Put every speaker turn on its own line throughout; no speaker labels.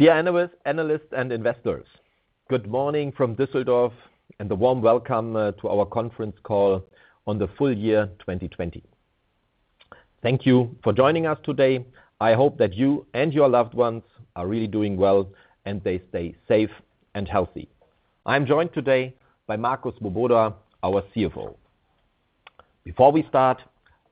Dear analysts and investors, good morning from Düsseldorf, and a warm welcome to our conference call on the full year 2020. Thank you for joining us today. I hope that you and your loved ones are really doing well, and they stay safe and healthy. I am joined today by Marco Swoboda, our CFO. Before we start,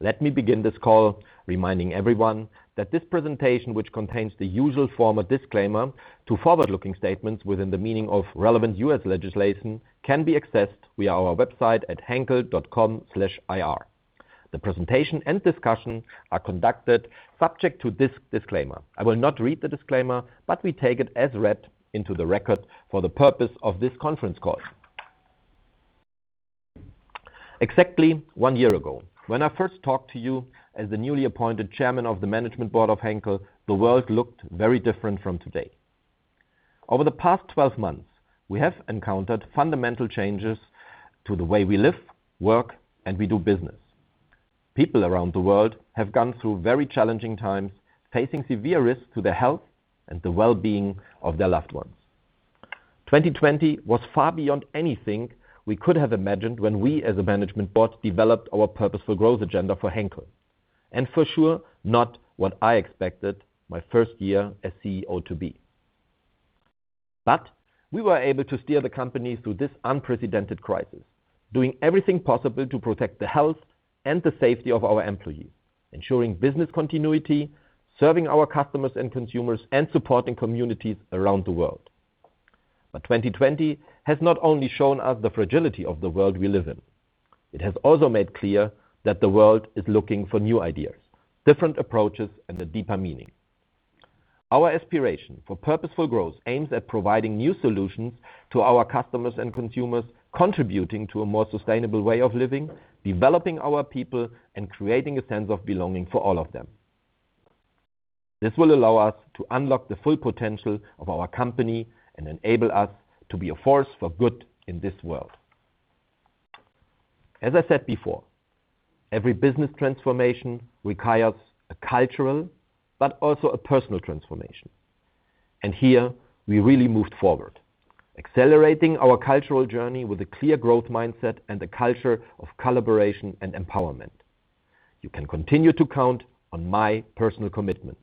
let me begin this call reminding everyone that this presentation, which contains the usual formal disclaimer to forward-looking statements within the meaning of relevant U.S. legislation, can be accessed via our website at henkel.com/ir. The presentation and discussion are conducted subject to this disclaimer. I will not read the disclaimer, but we take it as read into the record for the purpose of this conference call. Exactly one year ago, when I first talked to you as the newly appointed chairman of the management board of Henkel, the world looked very different from today. Over the past 12 months, we have encountered fundamental changes to the way we live, work, and we do business. People around the world have gone through very challenging times, facing severe risks to their health and the well-being of their loved ones. 2020 was far beyond anything we could have imagined when we, as a management board, developed our Purposeful Growth agenda for Henkel, and for sure not what I expected my first year as CEO to be. We were able to steer the company through this unprecedented crisis, doing everything possible to protect the health and the safety of our employees, ensuring business continuity, serving our customers and consumers, and supporting communities around the world. 2020 has not only shown us the fragility of the world we live in, it has also made clear that the world is looking for new ideas, different approaches, and a deeper meaning. Our aspiration for Purposeful Growth aims at providing new solutions to our customers and consumers, contributing to a more sustainable way of living, developing our people, and creating a sense of belonging for all of them. This will allow us to unlock the full potential of our company and enable us to be a force for good in this world. As I said before, every business transformation requires a cultural but also a personal transformation. Here we really moved forward, accelerating our cultural journey with a clear growth mindset and a culture of collaboration and empowerment. You can continue to count on my personal commitment.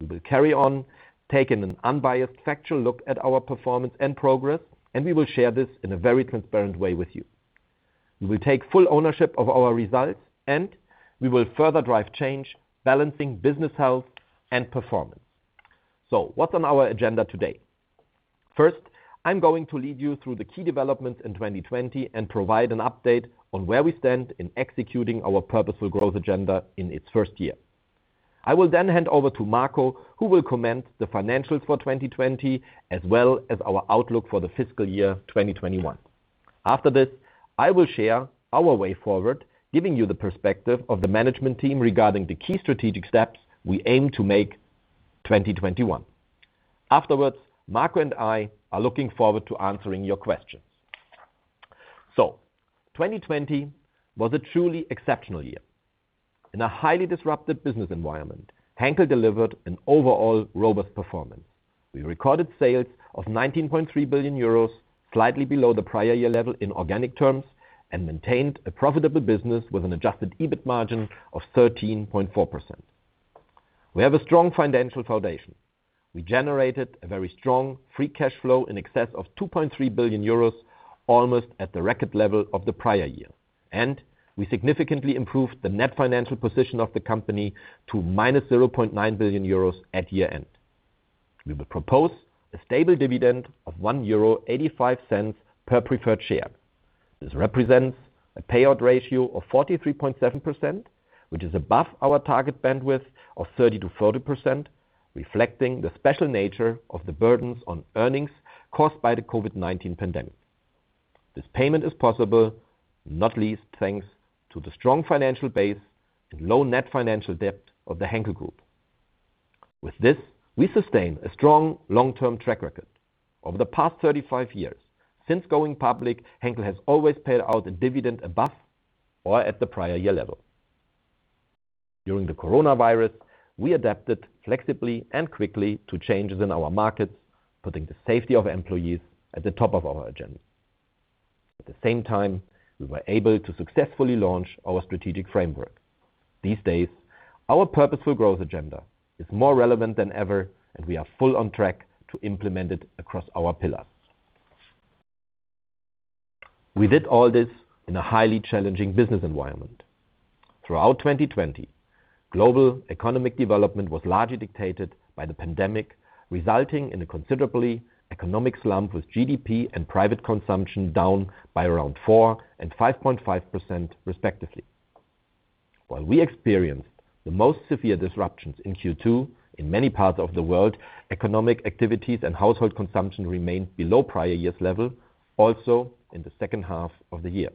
We will carry on taking an unbiased, factual look at our performance and progress, and we will share this in a very transparent way with you. We will take full ownership of our results, and we will further drive change, balancing business health and performance. What's on our agenda today? First, I'm going to lead you through the key developments in 2020 and provide an update on where we stand in executing our Purposeful Growth agenda in its first year. I will hand over to Marco, who will comment on the financials for 2020, as well as our outlook for the fiscal year 2021. After this, I will share our way forward, giving you the perspective of the management team regarding the key strategic steps we aim to make 2021. Afterwards, Marco and I are looking forward to answering your questions. 2020 was a truly exceptional year. In a highly disrupted business environment, Henkel delivered an overall robust performance. We recorded sales of 19.3 billion euros, slightly below the prior year level in organic terms, maintained a profitable business with an adjusted EBIT margin of 13.4%. We have a strong financial foundation. We generated a very strong free cash flow in excess of 2.3 billion euros, almost at the record level of the prior year. We significantly improved the net financial position of the company to -0.9 billion euros at year-end. We will propose a stable dividend of 1.85 euro per preferred share. This represents a payout ratio of 43.7%, which is above our target bandwidth of 30%-40%, reflecting the special nature of the burdens on earnings caused by the COVID-19 pandemic. This payment is possible not least thanks to the strong financial base and low net financial debt of the Henkel Group. With this, we sustain a strong long-term track record. Over the past 35 years, since going public, Henkel has always paid out a dividend above or at the prior year level. During the coronavirus, we adapted flexibly and quickly to changes in our markets, putting the safety of employees at the top of our agenda. At the same time, we were able to successfully launch our strategic framework. These days, our Purposeful Growth agenda is more relevant than ever, and we are full on track to implement it across our pillars. We did all this in a highly challenging business environment. Throughout 2020, global economic development was largely dictated by the pandemic, resulting in a considerable economic slump, with GDP and private consumption down by around 4% and 5.5%, respectively. While we experienced the most severe disruptions in Q2, in many parts of the world, economic activities and household consumption remained below prior year's level, also in the second half of the year.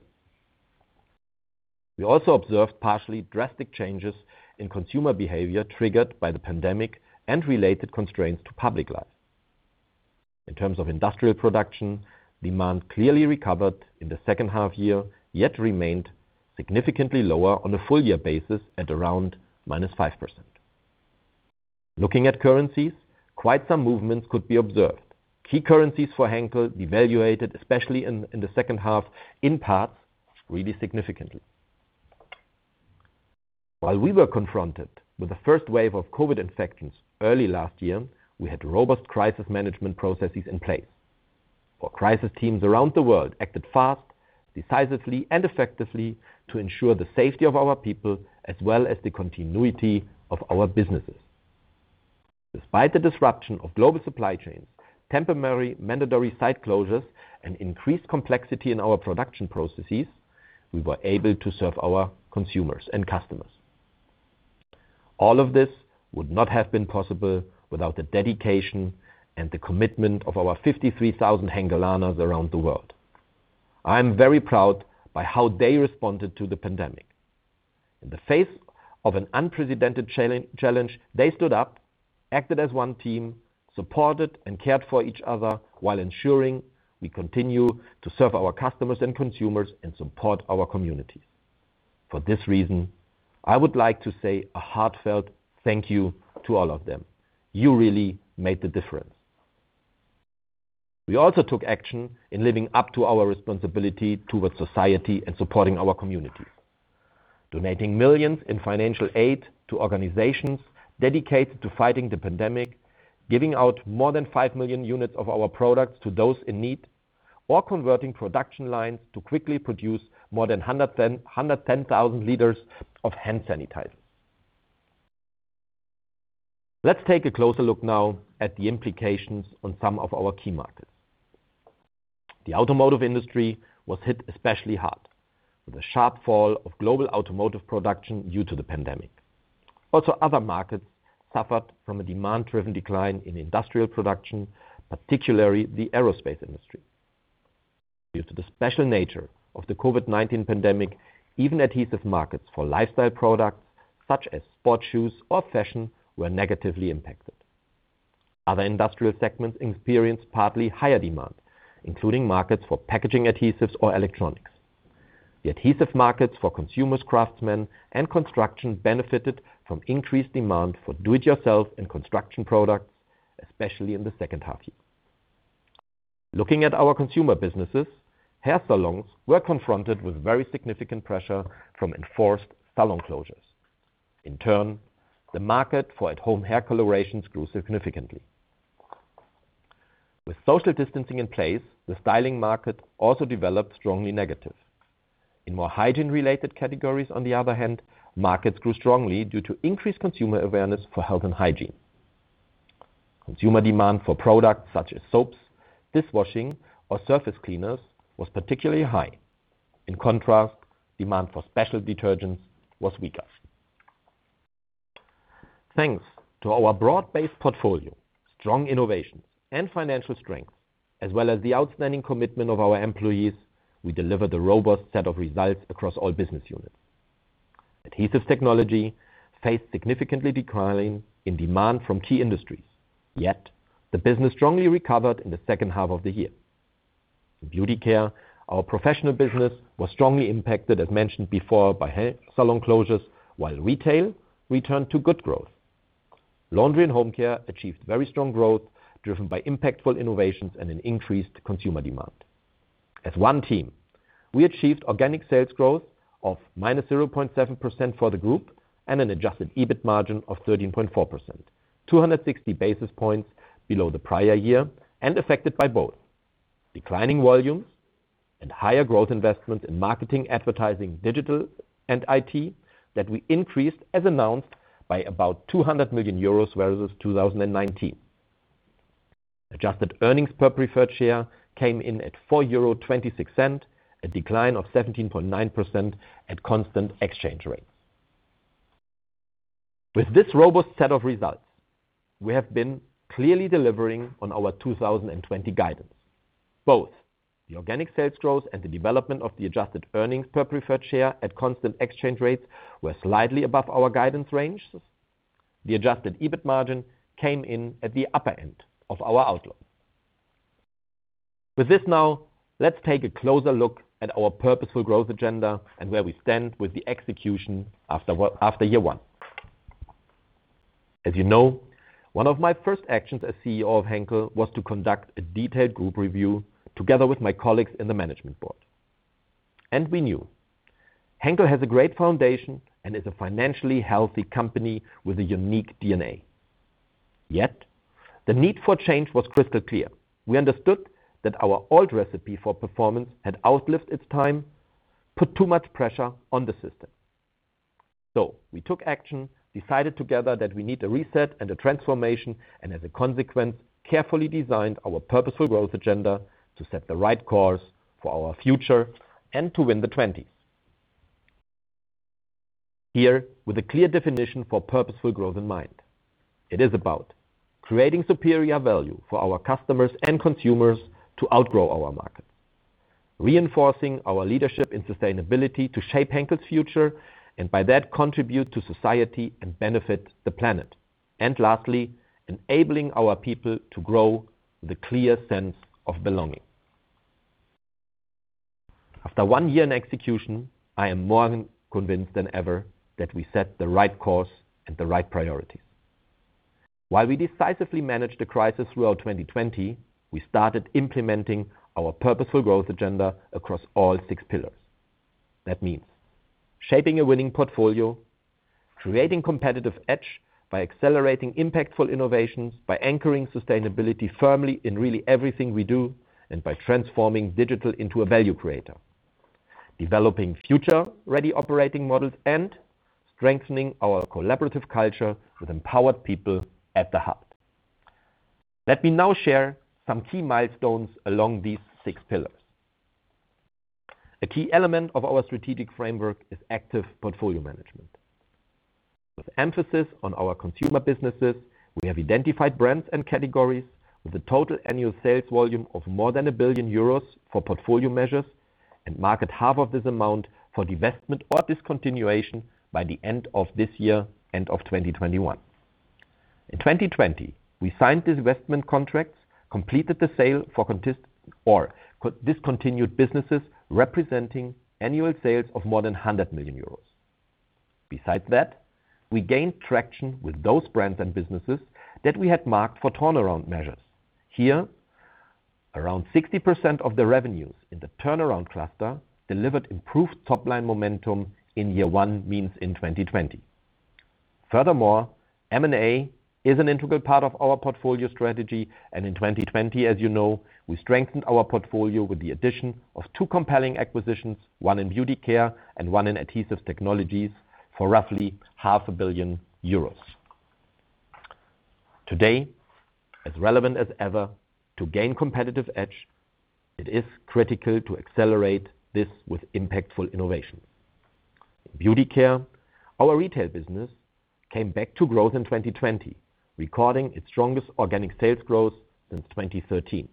We also observed partially drastic changes in consumer behavior triggered by the pandemic and related constraints to public life. In terms of industrial production, demand clearly recovered in the second half year, yet remained significantly lower on a full year basis at around -5%. Looking at currencies, quite some movements could be observed. Key currencies for Henkel devaluated, especially in the second half, in parts really significantly. While we were confronted with the first wave of COVID-19 infections early last year, we had robust crisis management processes in place. Our crisis teams around the world acted fast, decisively, and effectively to ensure the safety of our people, as well as the continuity of our businesses. Despite the disruption of global supply chains, temporary mandatory site closures, and increased complexity in our production processes, we were able to serve our consumers and customers. All of this would not have been possible without the dedication and the commitment of our 53,000 Henkelaners around the world. I'm very proud by how they responded to the pandemic. In the face of an unprecedented challenge, they stood up, acted as one team, supported and cared for each other while ensuring we continue to serve our customers and consumers and support our communities. For this reason, I would like to say a heartfelt thank you to all of them. You really made the difference. We also took action in living up to our responsibility towards society and supporting our community. Donating millions in financial aid to organizations dedicated to fighting the pandemic, giving out more than 5 million units of our products to those in need, or converting production lines to quickly produce more than 110,000 L of hand sanitizer. Let's take a closer look now at the implications on some of our key markets. The automotive industry was hit especially hard, with a sharp fall of global automotive production due to the pandemic. Also, other markets suffered from a demand-driven decline in industrial production, particularly the aerospace industry. Due to the special nature of the COVID-19 pandemic, even adhesive markets for lifestyle products, such as sport shoes or fashion, were negatively impacted. Other industrial segments experienced partly higher demand, including markets for packaging adhesives or electronics. The adhesive markets for consumers, craftsmen, and construction benefited from increased demand for do-it-yourself and construction products, especially in the second half year. Looking at our consumer businesses, hair salons were confronted with very significant pressure from enforced salon closures. In turn, the market for at-home hair colorations grew significantly. With social distancing in place, the styling market also developed strongly negative. In more hygiene-related categories, on the other hand, markets grew strongly due to increased consumer awareness for health and hygiene. Consumer demand for products such as soaps, dishwashing, or surface cleaners was particularly high. In contrast, demand for special detergents was weaker. Thanks to our broad-based portfolio, strong innovation, and financial strength, as well as the outstanding commitment of our employees, we delivered a robust set of results across all business units. Adhesive Technologies faced significantly declining in demand from key industries, yet the business strongly recovered in the second half of the year. In Beauty Care, our professional business was strongly impacted, as mentioned before, by hair salon closures, while retail returned to good growth. Laundry & Home Care achieved very strong growth driven by impactful innovations and an increased consumer demand. As one team, we achieved organic sales growth of -0.7% for the group and an adjusted EBIT margin of 13.4%, 260 basis points below the prior year and affected by both declining volumes and higher growth investments in marketing, advertising, digital, and IT that we increased as announced by about 200 million euros versus 2019. Adjusted earnings per preferred share came in at 4.26 euro, a decline of 17.9% at constant exchange rates. With this robust set of results, we have been clearly delivering on our 2020 guidance. Both the organic sales growth and the development of the adjusted earnings per preferred share at constant exchange rates were slightly above our guidance ranges. The adjusted EBIT margin came in at the upper end of our outlook. Let's take a closer look at our Purposeful Growth agenda and where we stand with the execution after year one. As you know, one of my first actions as CEO of Henkel was to conduct a detailed group review together with my colleagues in the management board. We knew Henkel has a great foundation and is a financially healthy company with a unique DNA. The need for change was crystal clear. We understood that our old recipe for performance had outlived its time, put too much pressure on the system. We took action, decided together that we need a reset and a transformation, and as a consequence, carefully designed our Purposeful Growth agenda to set the right course for our future and to win the 2020s. Here, with a clear definition for Purposeful Growth in mind. It is about creating superior value for our customers and consumers to outgrow our market. Reinforcing our leadership in sustainability to shape Henkel's future, and by that, contribute to society and benefit the planet. Lastly, enabling our people to grow with a clear sense of belonging. After one year in execution, I am more convinced than ever that we set the right course and the right priorities. While we decisively managed a crisis throughout 2020, we started implementing our Purposeful Growth agenda across all six pillars. That means shaping a winning portfolio, creating competitive edge by accelerating impactful innovations, by anchoring sustainability firmly in really everything we do, and by transforming digital into a value creator. Developing future-ready operating models, and strengthening our collaborative culture with empowered people at the hub. Let me now share some key milestones along these six pillars. A key element of our strategic framework is active portfolio management. With emphasis on our consumer businesses, we have identified brands and categories with a total annual sales volume of more than 1 billion euros for portfolio measures and market half of this amount for divestment or discontinuation by the end of this year, end of 2021. In 2020, we signed these investment contracts, completed the sale for discontinued businesses representing annual sales of more than 100 million euros. Besides that, we gained traction with those brands and businesses that we had marked for turnaround measures. Here, around 60% of the revenues in the turnaround cluster delivered improved top-line momentum in year one, means in 2020. Furthermore, M&A is an integral part of our portfolio strategy, and in 2020, as you know, we strengthened our portfolio with the addition of two compelling acquisitions, one in Beauty Care and one in Adhesive Technologies for roughly 0.5 billion euros. Today, as relevant as ever, to gain competitive edge, it is critical to accelerate this with impactful innovations. In Beauty Care, our retail business came back to growth in 2020, recording its strongest organic sales growth since 2013.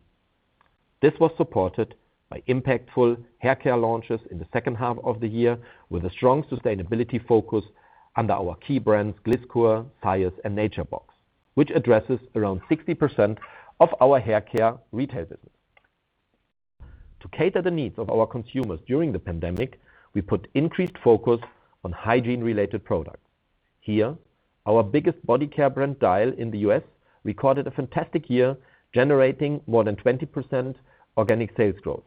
This was supported by impactful hair care launches in the second half of the year with a strong sustainability focus under our key brands, Gliss Kur, Syoss, and Nature Box, which addresses around 60% of our hair care retail business. To cater the needs of our consumers during the pandemic, we put increased focus on hygiene-related products. Here, our biggest body care brand, Dial, in the U.S., recorded a fantastic year, generating more than 20% organic sales growth.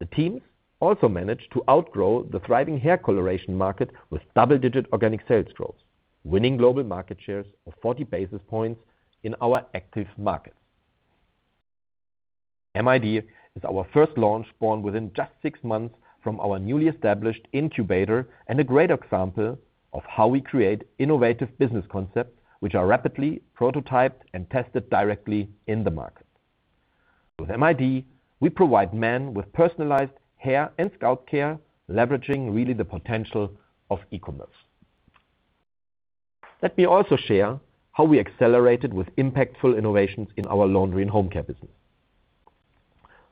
The teams also managed to outgrow the thriving hair coloration market with double-digit organic sales growth, winning global market shares of 40 basis points in our active markets. MID is our first launch born within just six months from our newly established incubator and a great example of how we create innovative business concepts, which are rapidly prototyped and tested directly in the market. With MID, we provide men with personalized hair and scalp care, leveraging really the potential of e-commerce. Let me also share how we accelerated with impactful innovations in our Laundry & Home Care business.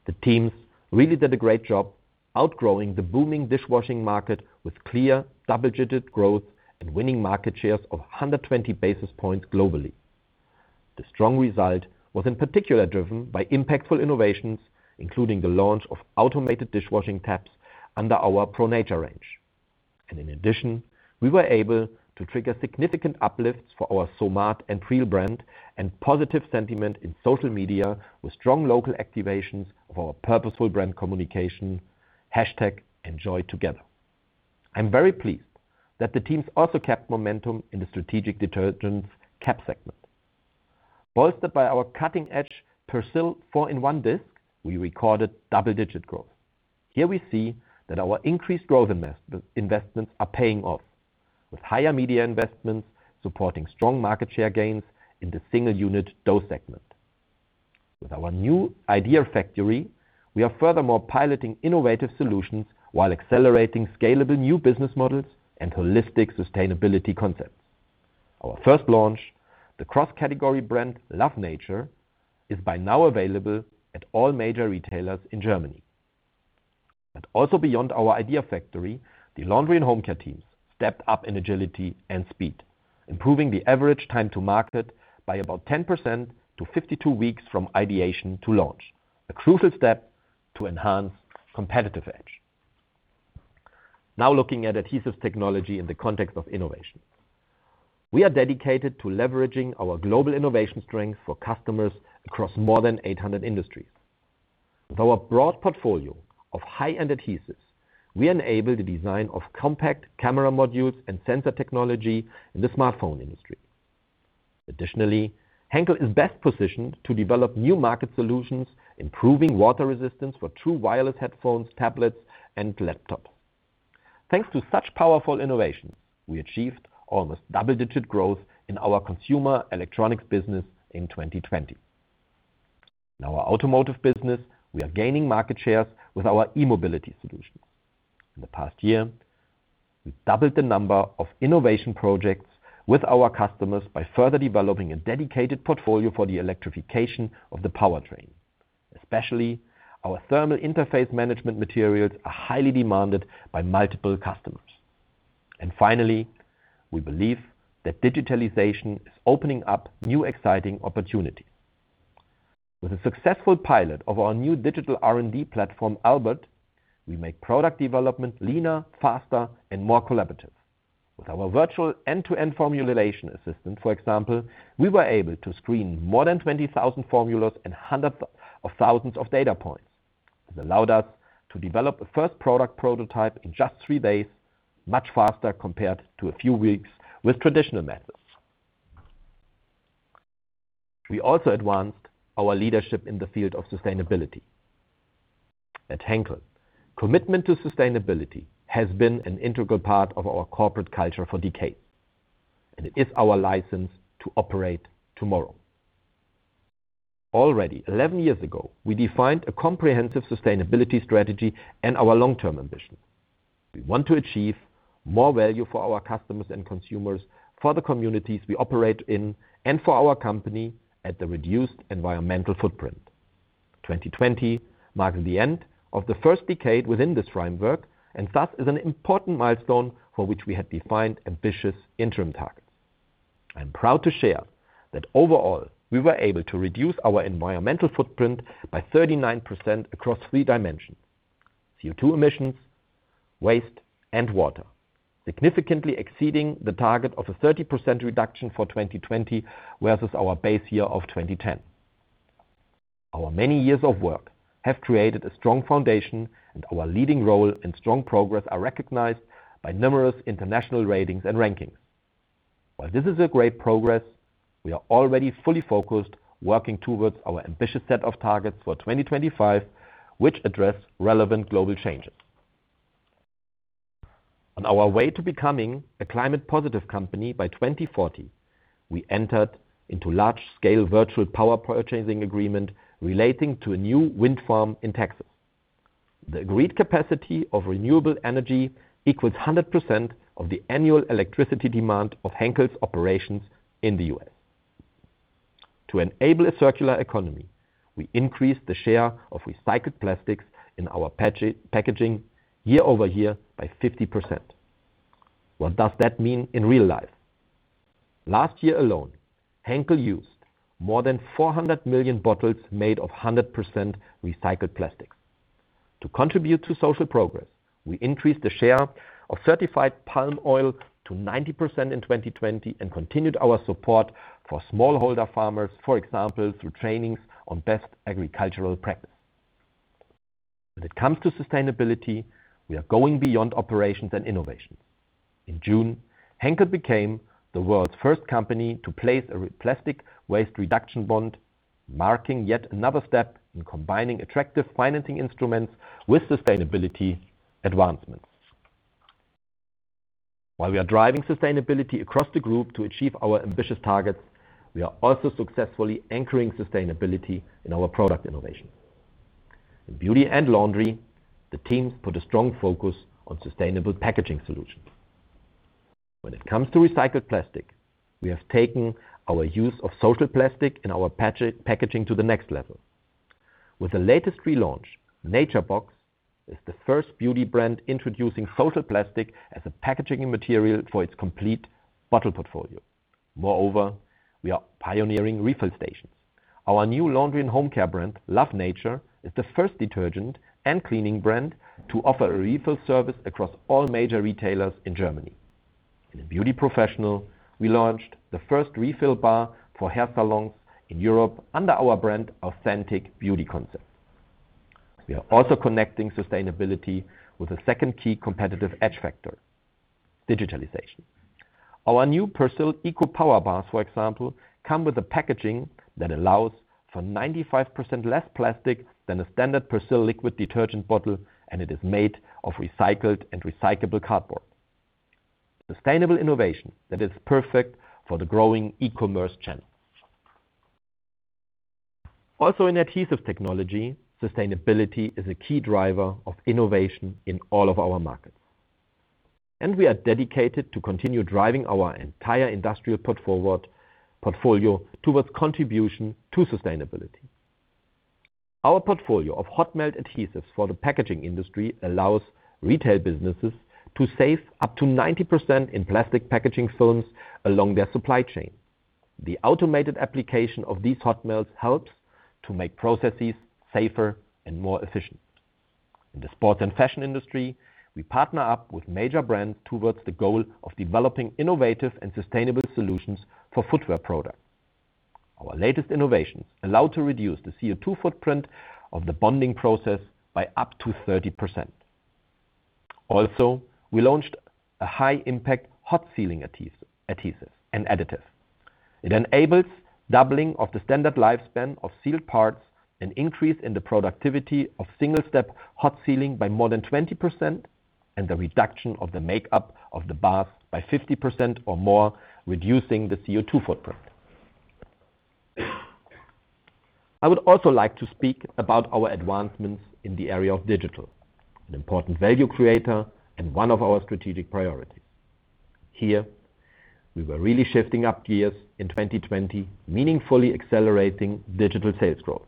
The teams really did a great job outgrowing the booming dishwashing market with clear double-digit growth and winning market shares of 120 basis points globally. The strong result was in particular driven by impactful innovations, including the launch of automated dishwashing tabs under our Pro Nature range. In addition, we were able to trigger significant uplifts for our Somat and Pril brand and positive sentiment in social media with strong local activations of our purposeful brand communication, #Enjoytogether. I'm very pleased that the teams also kept momentum in the strategic detergent caps segment. Bolstered by our cutting-edge Persil 4in1 Discs, we recorded double-digit growth. Here, we see that our increased growth investments are paying off, with higher media investments supporting strong market share gains in the single-unit dose segment. With our new Idea Factory, we are furthermore piloting innovative solutions while accelerating scalable new business models and holistic sustainability concepts. Our first launch, the cross-category brand Love Nature, is by now available at all major retailers in Germany. Also beyond our Idea Factory, the Laundry & Home Care teams stepped up in agility and speed, improving the average time to market by about 10% to 52 weeks from ideation to launch, a crucial step to enhance competitive edge. Looking at Adhesive Technologies in the context of innovation. We are dedicated to leveraging our global innovation strength for customers across more than 800 industries. With our broad portfolio of high-end adhesives, we enable the design of compact camera modules and sensor technology in the smartphone industry. Additionally, Henkel is best positioned to develop new market solutions, improving water resistance for true wireless headphones, tablets, and laptop. Thanks to such powerful innovations, we achieved almost double-digit growth in our consumer electronics business in 2020. In our automotive business, we are gaining market shares with our e-mobility solution. In the past year, we doubled the number of innovation projects with our customers by further developing a dedicated portfolio for the electrification of the powertrain. Especially our thermal interface management materials are highly demanded by multiple customers. Finally, we believe that digitalization is opening up new exciting opportunities. With a successful pilot of our new digital R&D platform, Albert, we make product development leaner, faster and more collaborative. With our virtual end-to-end formulation assistant, for example, we were able to screen more than 20,000 formulas and hundreds of thousands of data points. This allowed us to develop a first product prototype in just three days, much faster compared to a few weeks with traditional methods. We also advanced our leadership in the field of sustainability. At Henkel, commitment to sustainability has been an integral part of our corporate culture for decades, and it is our license to operate tomorrow. Already 11 years ago, we defined a comprehensive sustainability strategy and our long-term ambition. We want to achieve more value for our customers and consumers, for the communities we operate in, and for our company at the reduced environmental footprint. 2020 marked the end of the first decade within this framework, and thus is an important milestone for which we had defined ambitious interim targets. I'm proud to share that overall, we were able to reduce our environmental footprint by 39% across three dimensions: CO2 emissions, waste, and water. Significantly exceeding the target of a 30% reduction for 2020 versus our base year of 2010. Our many years of work have created a strong foundation and our leading role and strong progress are recognized by numerous international ratings and rankings. While this is a great progress, we are already fully focused, working towards our ambitious set of targets for 2025, which address relevant global changes. On our way to becoming a climate positive company by 2040, we entered into large scale virtual power purchasing agreement relating to a new wind farm in Texas. The agreed capacity of renewable energy equals 100% of the annual electricity demand of Henkel's operations in the U.S. To enable a circular economy, we increased the share of recycled plastics in our packaging year-over-year by 50%. What does that mean in real life? Last year alone, Henkel used more than 400 million bottles made of 100% recycled plastic. To contribute to social progress, we increased the share of certified palm oil to 90% in 2020 and continued our support for small holder farmers, for example, through trainings on best agricultural practice. When it comes to sustainability, we are going beyond operations and innovations. In June, Henkel became the world's first company to place a plastic waste reduction bond, marking yet another step in combining attractive financing instruments with sustainability advancements. While we are driving sustainability across the group to achieve our ambitious targets, we are also successfully anchoring sustainability in our product innovation. In beauty and laundry, the teams put a strong focus on sustainable packaging solutions. When it comes to recycled plastic, we have taken our use of Social Plastic in our packaging to the next level. With the latest relaunch, Nature Box is the first beauty brand introducing Social Plastic as a packaging material for its complete bottle portfolio. Moreover, we are pioneering refill stations. Our new laundry and home care brand, Love Nature, is the first detergent and cleaning brand to offer a refill service across all major retailers in Germany. In the beauty professional, we launched the first refill bar for hair salons in Europe under our brand, Authentic Beauty Concept. We are also connecting sustainability with a second key competitive edge factor, digitalization. Our new Persil Eco Power Bars, for example, come with a packaging that allows for 95% less plastic than a standard Persil liquid detergent bottle, and it is made of recycled and recyclable cardboard. Sustainable innovation that is perfect for the growing e-commerce channel. Also in Adhesive Technologies, sustainability is a key driver of innovation in all of our markets. We are dedicated to continue driving our entire industrial portfolio towards contribution to sustainability. Our portfolio of hot melt adhesives for the packaging industry allows retail businesses to save up to 90% in plastic packaging films along their supply chain. The automated application of these hot melts helps to make processes safer and more efficient. In the sports and fashion industry, we partner up with major brands towards the goal of developing innovative and sustainable solutions for footwear products. Our latest innovations allow to reduce the CO2 footprint of the bonding process by up to 30%. We launched a high impact hot sealing adhesive and additive. It enables doubling of the standard lifespan of sealed parts, an increase in the productivity of single-step hot sealing by more than 20%, and the reduction of the makeup of the baths by 50% or more, reducing the CO2 footprint. I would also like to speak about our advancements in the area of digital, an important value creator and one of our strategic priorities. Here, we were really shifting up gears in 2020, meaningfully accelerating digital sales growth.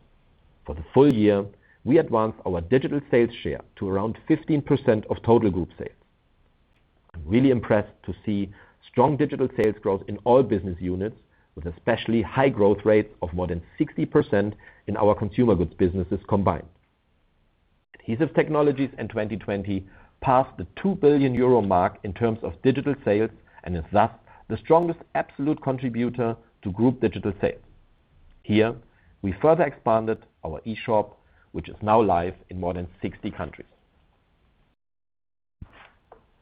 For the full year, we advanced our digital sales share to around 15% of total group sales. I'm really impressed to see strong digital sales growth in all business units, with especially high growth rates of more than 60% in our consumer goods businesses combined. Adhesive Technologies in 2020 passed the 2 billion euro mark in terms of digital sales and is thus the strongest absolute contributor to group digital sales. Here, we further expanded our e-shop, which is now live in more than 60 countries.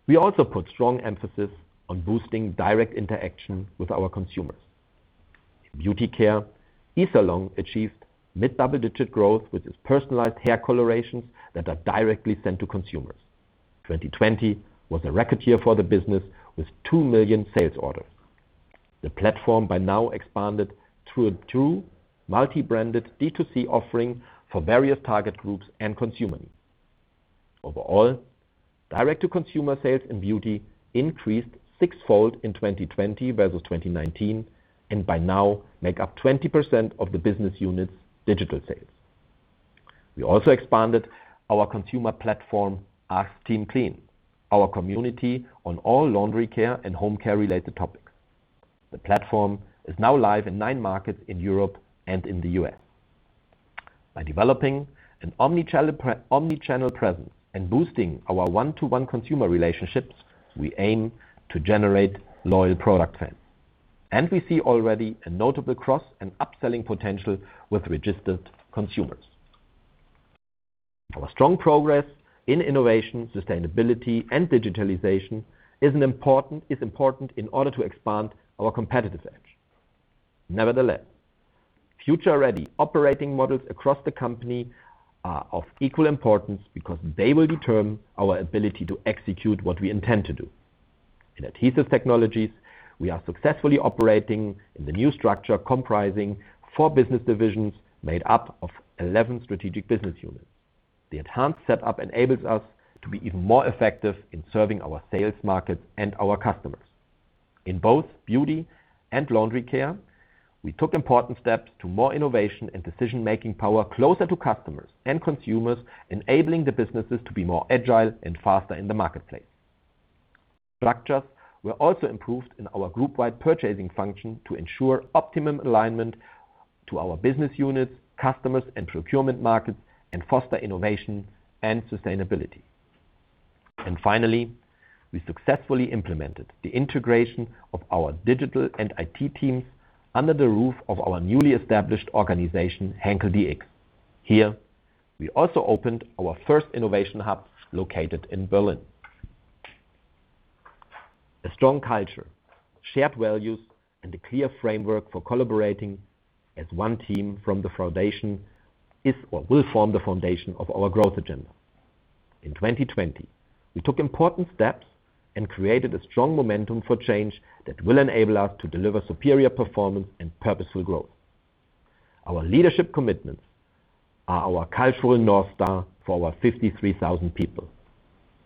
We also put strong emphasis on boosting direct interaction with our consumers. In Beauty Care, eSalon achieved mid-double-digit growth with its personalized hair colorations that are directly sent to consumers. 2020 was a record year for the business, with 2 million sales orders. The platform by now expanded to a true multi-branded D2C offering for various target groups and consumer needs. Overall, direct-to-consumer sales in beauty increased 6x in 2020 versus 2019 and by now make up 20% of the business unit's digital sales. We also expanded our consumer platform, Ask Team Clean, our community on all laundry care and home care-related topics. The platform is now live in nine markets in Europe and in the U.S. By developing an omnichannel presence and boosting our one-to-one consumer relationships, we aim to generate loyal product sales. We see already a notable cross and upselling potential with registered consumers. Our strong progress in innovation, sustainability, and digitalization is important in order to expand our competitive edge. Nevertheless, future-ready operating models across the company are of equal importance because they will determine our ability to execute what we intend to do. In Adhesive Technologies, we are successfully operating in the new structure comprising four business divisions made up of 11 strategic business units. The enhanced setup enables us to be even more effective in serving our sales markets and our customers. In both Beauty and Laundry Care, we took important steps to more innovation and decision-making power closer to customers and consumers, enabling the businesses to be more agile and faster in the marketplace. Structures were also improved in our group-wide purchasing function to ensure optimum alignment to our business units, customers, and procurement markets, and foster innovation and sustainability. Finally, we successfully implemented the integration of our digital and IT teams under the roof of our newly established organization, Henkel dx. Here, we also opened our first innovation hub, located in Berlin. A strong culture of shared values and a clear framework for collaborating as one team from the foundation is or will form the foundation of our growth agenda. In 2020, we took important steps and created a strong momentum for change that will enable us to deliver superior performance and Purposeful Growth. Our leadership commitments are our cultural North Star for our 53,000 people.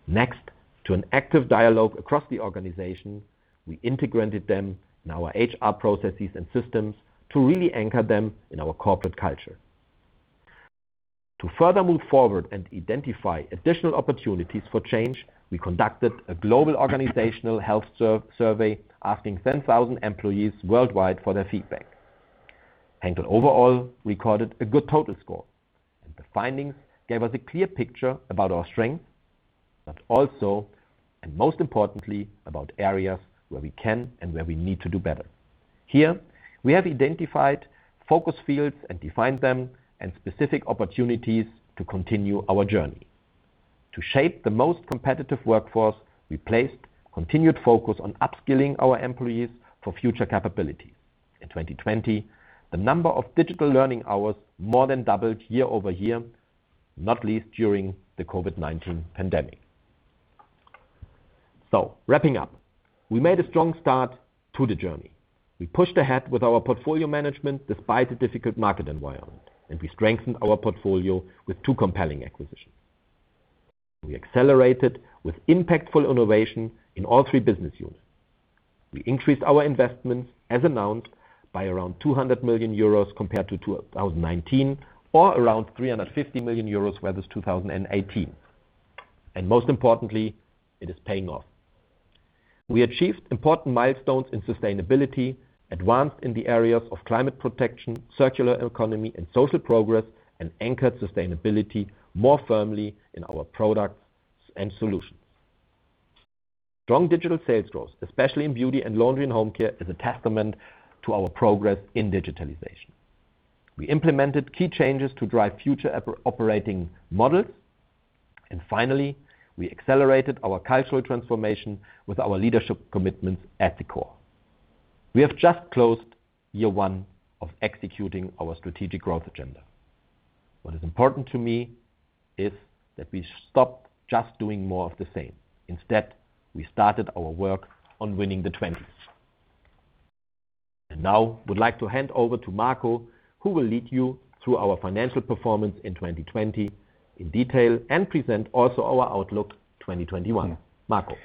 Next, to an active dialogue across the organization, we integrated them in our HR processes and systems to really anchor them in our corporate culture. To further move forward and identify additional opportunities for change, we conducted a global organizational health survey, asking 10,000 employees worldwide for their feedback. Henkel overall recorded a good total score, and the findings gave us a clear picture about our strengths, but also, and most importantly, about areas where we can and where we need to do better. Here, we have identified focus fields and defined them and specific opportunities to continue our journey. To shape the most competitive workforce, we placed continued focus on upskilling our employees for future capabilities. In 2020, the number of digital learning hours more than doubled year-over-year, not least during the COVID-19 pandemic. Wrapping up, we made a strong start to the journey. We pushed ahead with our portfolio management despite the difficult market environment, and we strengthened our portfolio with two compelling acquisitions. We accelerated with impactful innovation in all three business units. We increased our investments as announced by around 200 million euros compared to 2019 or around 350 million euros versus 2018. Most importantly, it is paying off. We achieved important milestones in sustainability, advanced in the areas of climate protection, circular economy, and social progress, and anchored sustainability more firmly in our products and solutions. Strong digital sales growth, especially in Beauty Care and Laundry & Home Care, is a testament to our progress in digitalization. We implemented key changes to drive future operating models, and finally, we accelerated our cultural transformation with our leadership commitments at the core. We have just closed year one of executing our strategic growth agenda. What is important to me is that we stop just doing more of the same. Instead, we started our work on winning the 2020s. Now I would like to hand over to Marco, who will lead you through our financial performance in 2020 in detail and present also our outlook 2021. Marco.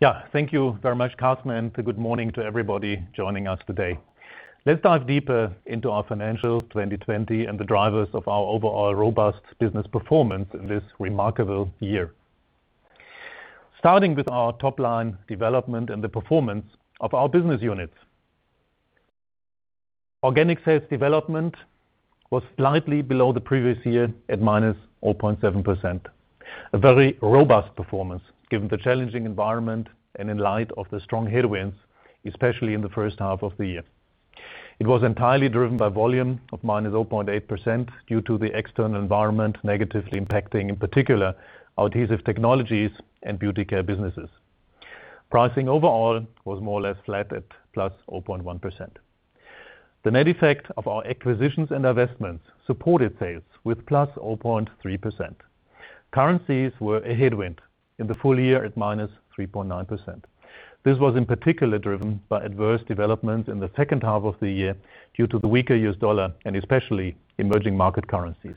Yeah. Thank you very much, Carsten, and good morning to everybody joining us today. Let's dive deeper into our financial 2020 and the drivers of our overall robust business performance in this remarkable year. Starting with our top-line development and the performance of our business units. Organic sales development was slightly below the previous year at -0.7%. A very robust performance given the challenging environment and in light of the strong headwinds, especially in the first half of the year. It was entirely driven by volume of -0.8% due to the external environment negatively impacting, in particular, Adhesive Technologies and Beauty Care businesses. Pricing overall was more or less flat at +0.1%. The net effect of our acquisitions and investments supported sales with +0.3%. Currencies were a headwind in the full year at 3.9%. This was in particular driven by adverse developments in the second half of the year due to the weaker U.S. dollar and especially emerging market currencies.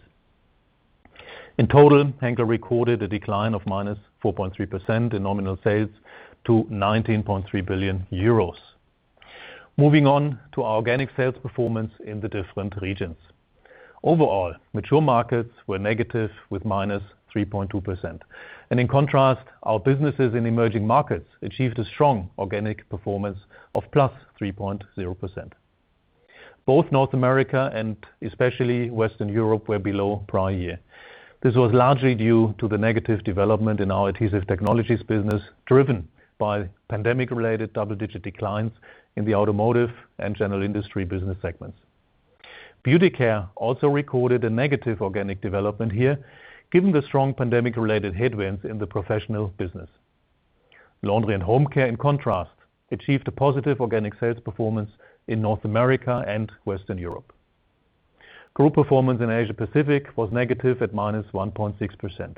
In total, Henkel recorded a decline of -4.3% in nominal sales to 19.3 billion euros. Moving on to our organic sales performance in the different regions. Overall, mature markets were negative with -3.2%, and in contrast, our businesses in emerging markets achieved a strong organic performance of +3.0%. Both North America and especially Western Europe were below prior year. This was largely due to the negative development in our Adhesive Technologies business, driven by pandemic-related double-digit declines in the automotive and general industry business segments. Beauty Care also recorded a negative organic development here, given the strong pandemic-related headwinds in the professional business. Laundry & Home Care, in contrast, achieved a positive organic sales performance in North America and Western Europe. Group performance in Asia-Pacific was negative at -1.6%.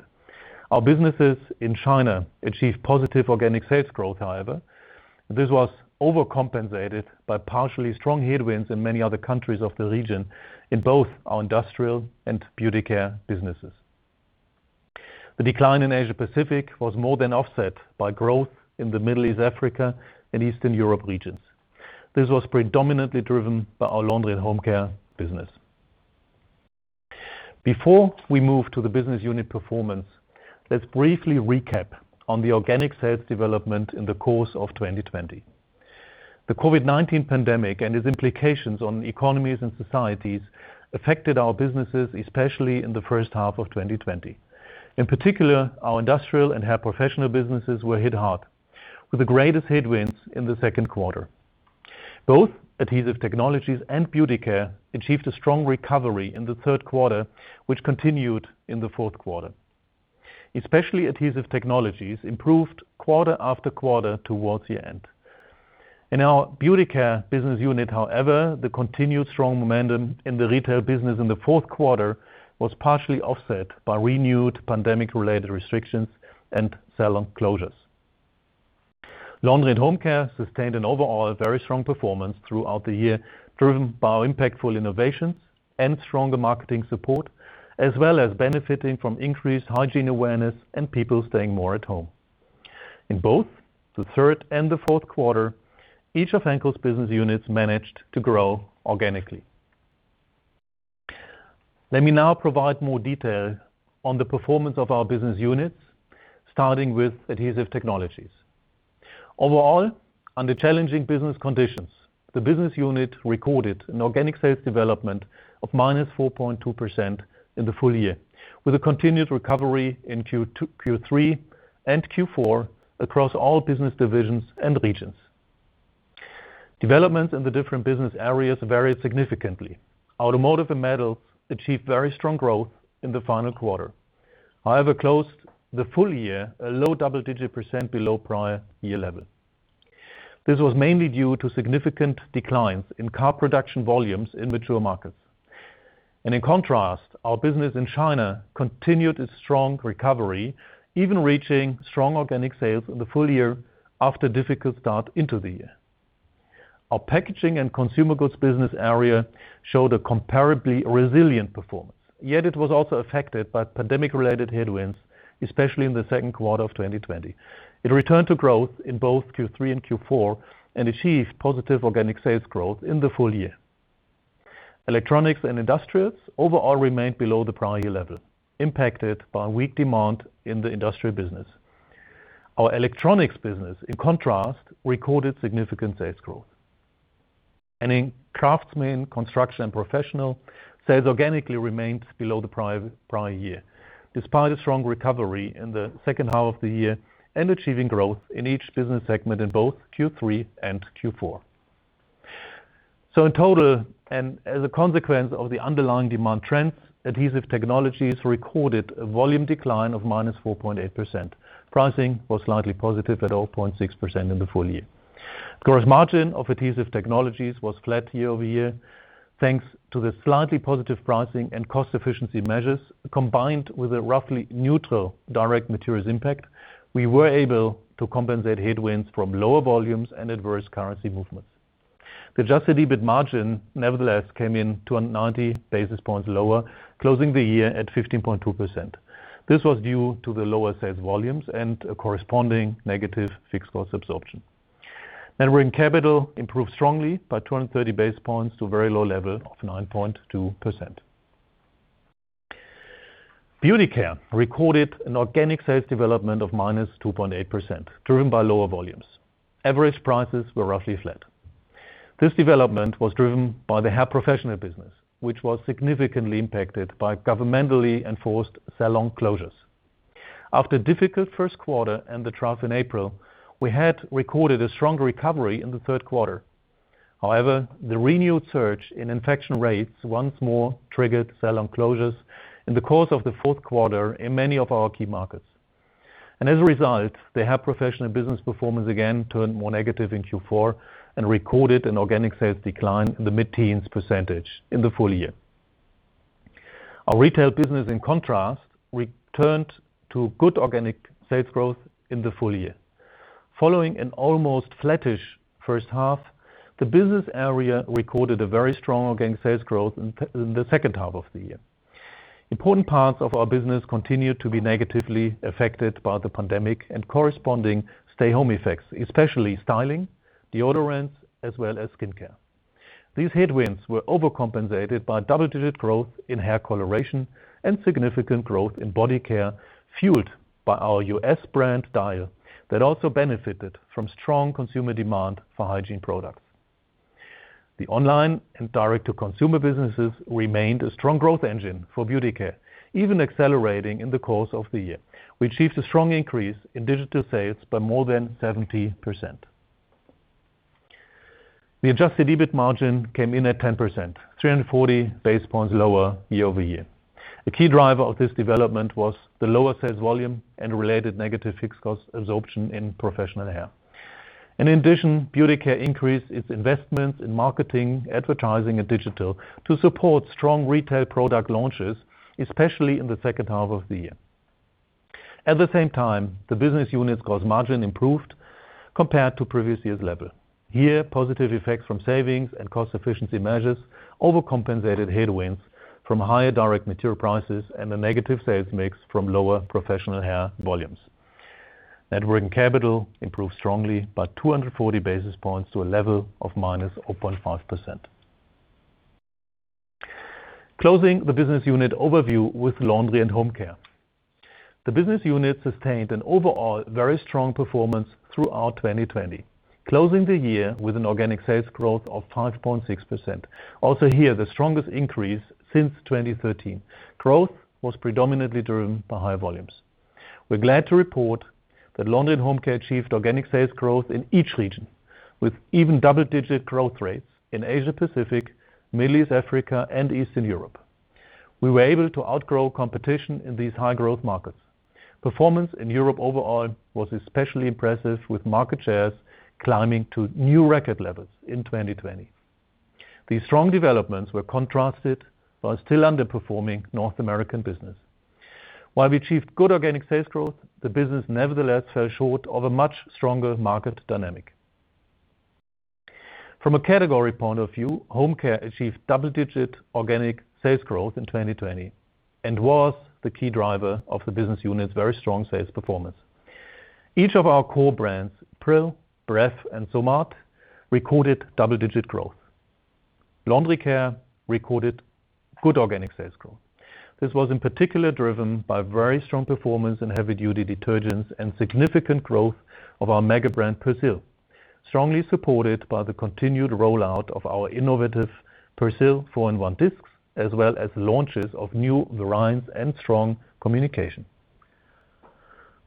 Our businesses in China achieved positive organic sales growth, however. This was overcompensated by partially strong headwinds in many other countries of the region in both our Industrial and Beauty Care businesses. The decline in Asia-Pacific was more than offset by growth in the Middle East, Africa, and Eastern Europe regions. This was predominantly driven by our Laundry & Home Care business. Before we move to the business unit performance, let's briefly recap on the organic sales development in the course of 2020. The COVID-19 pandemic and its implications on economies and societies affected our businesses, especially in the first half of 2020. In particular, our industrial and hair professional businesses were hit hard, with the greatest headwinds in the second quarter. Both Adhesive Technologies and Beauty Care achieved a strong recovery in the third quarter, which continued in the fourth quarter. Especially Adhesive Technologies improved quarter after quarter towards the end. In our Beauty Care business unit, however, the continued strong momentum in the retail business in the fourth quarter was partially offset by renewed pandemic-related restrictions and salon closures. Laundry & Home Care sustained an overall very strong performance throughout the year, driven by impactful innovations and stronger marketing support, as well as benefiting from increased hygiene awareness and people staying more at home. In both the third and the fourth quarter, each of Henkel's business units managed to grow organically. Let me now provide more detail on the performance of our business units, starting with Adhesive Technologies. Overall, under challenging business conditions, the business unit recorded an organic sales development of -4.2% in the full year, with a continued recovery in Q3 and Q4 across all business divisions and regions. Developments in the different business areas varied significantly. Automotive and metals achieved very strong growth in the final quarter, however, closed the full year a low double-digit percent below prior year level. This was mainly due to significant declines in car production volumes in mature markets. In contrast, our business in China continued its strong recovery, even reaching strong organic sales in the full year after a difficult start into the year. Our packaging and consumer goods business area showed a comparably resilient performance. Yet it was also affected by pandemic-related headwinds, especially in the second quarter of 2020. It returned to growth in both Q3 and Q4 and achieved positive organic sales growth in the full year. Electronics and Industrials overall remained below the prior year level, impacted by weak demand in the industrial business. Our electronics business, in contrast, recorded significant sales growth. In craftsmen, construction, and professional, sales organically remained below the prior year, despite a strong recovery in the second half of the year and achieving growth in each business segment in both Q3 and Q4. In total, and as a consequence of the underlying demand trends, Adhesive Technologies recorded a volume decline of -4.8%. Pricing was slightly positive at 0.6% in the full year. Gross margin of Adhesive Technologies was flat year-over-year, thanks to the slightly positive pricing and cost efficiency measures. Combined with a roughly neutral direct materials impact, we were able to compensate headwinds from lower volumes and adverse currency movements. The adjusted EBIT margin, nevertheless, came in 290 basis points lower, closing the year at 15.2%. This was due to the lower sales volumes and a corresponding negative fixed cost absorption. Net working capital improved strongly by 230 basis points to a very low level of 9.2%. Beauty Care recorded an organic sales development of -2.8%, driven by lower volumes. Average prices were roughly flat. This development was driven by the Hair Professional business, which was significantly impacted by governmentally enforced salon closures. After a difficult first quarter and the trough in April, we had recorded a strong recovery in the third quarter. However, the renewed surge in infection rates once more triggered salon closures in the course of the fourth quarter in many of our key markets. As a result, the hair professional business performance again turned more negative in Q4 and recorded an organic sales decline in the mid-teens percentage in the full year. Our retail business, in contrast, returned to good organic sales growth in the full year. Following an almost flattish first half, the business area recorded a very strong organic sales growth in the second half of the year. Important parts of our business continued to be negatively affected by the pandemic and corresponding stay-home effects, especially styling, deodorants, as well as skincare. These headwinds were overcompensated by double-digit growth in hair coloration and significant growth in body care, fueled by our U.S. brand, Dial, that also benefited from strong consumer demand for hygiene products. The online and direct-to-consumer businesses remained a strong growth engine for Beauty Care, even accelerating in the course of the year. We achieved a strong increase in digital sales by more than 70%. The adjusted EBIT margin came in at 10%, 340 basis points lower year-over-year. A key driver of this development was the lower sales volume and related negative fixed cost absorption in professional hair. In addition, Beauty Care increased its investments in marketing, advertising, and digital to support strong retail product launches, especially in the second half of the year. At the same time, the business unit's gross margin improved compared to previous year's level. Here, positive effects from savings and cost efficiency measures overcompensated headwinds from higher direct material prices and a negative sales mix from lower professional hair volumes. Net working capital improved strongly by 240 basis points to a level of -0.5%. Closing the business unit overview with Laundry & Home Care. The business unit sustained an overall very strong performance throughout 2020, closing the year with an organic sales growth of 5.6%. Also here, the strongest increase since 2013. Growth was predominantly driven by higher volumes. We are glad to report that Laundry & Home Care achieved organic sales growth in each region, with even double-digit growth rates in Asia-Pacific, Middle East, Africa, and Eastern Europe. We were able to outgrow competition in these high-growth markets. Performance in Europe overall was especially impressive, with market shares climbing to new record levels in 2020. These strong developments were contrasted by a still underperforming North American business. While we achieved good organic sales growth, the business nevertheless fell short of a much stronger market dynamic. From a category point of view, Home Care achieved double-digit organic sales growth in 2020 and was the key driver of the business unit's very strong sales performance. Each of our core brands, Pril, Bref, and Somat, recorded double-digit growth. Laundry Care recorded good organic sales growth. This was in particular driven by very strong performance in heavy-duty detergents and significant growth of our mega brand, Persil, strongly supported by the continued rollout of our innovative Persil 4in1 Discs, as well as launches of new variants and strong communication.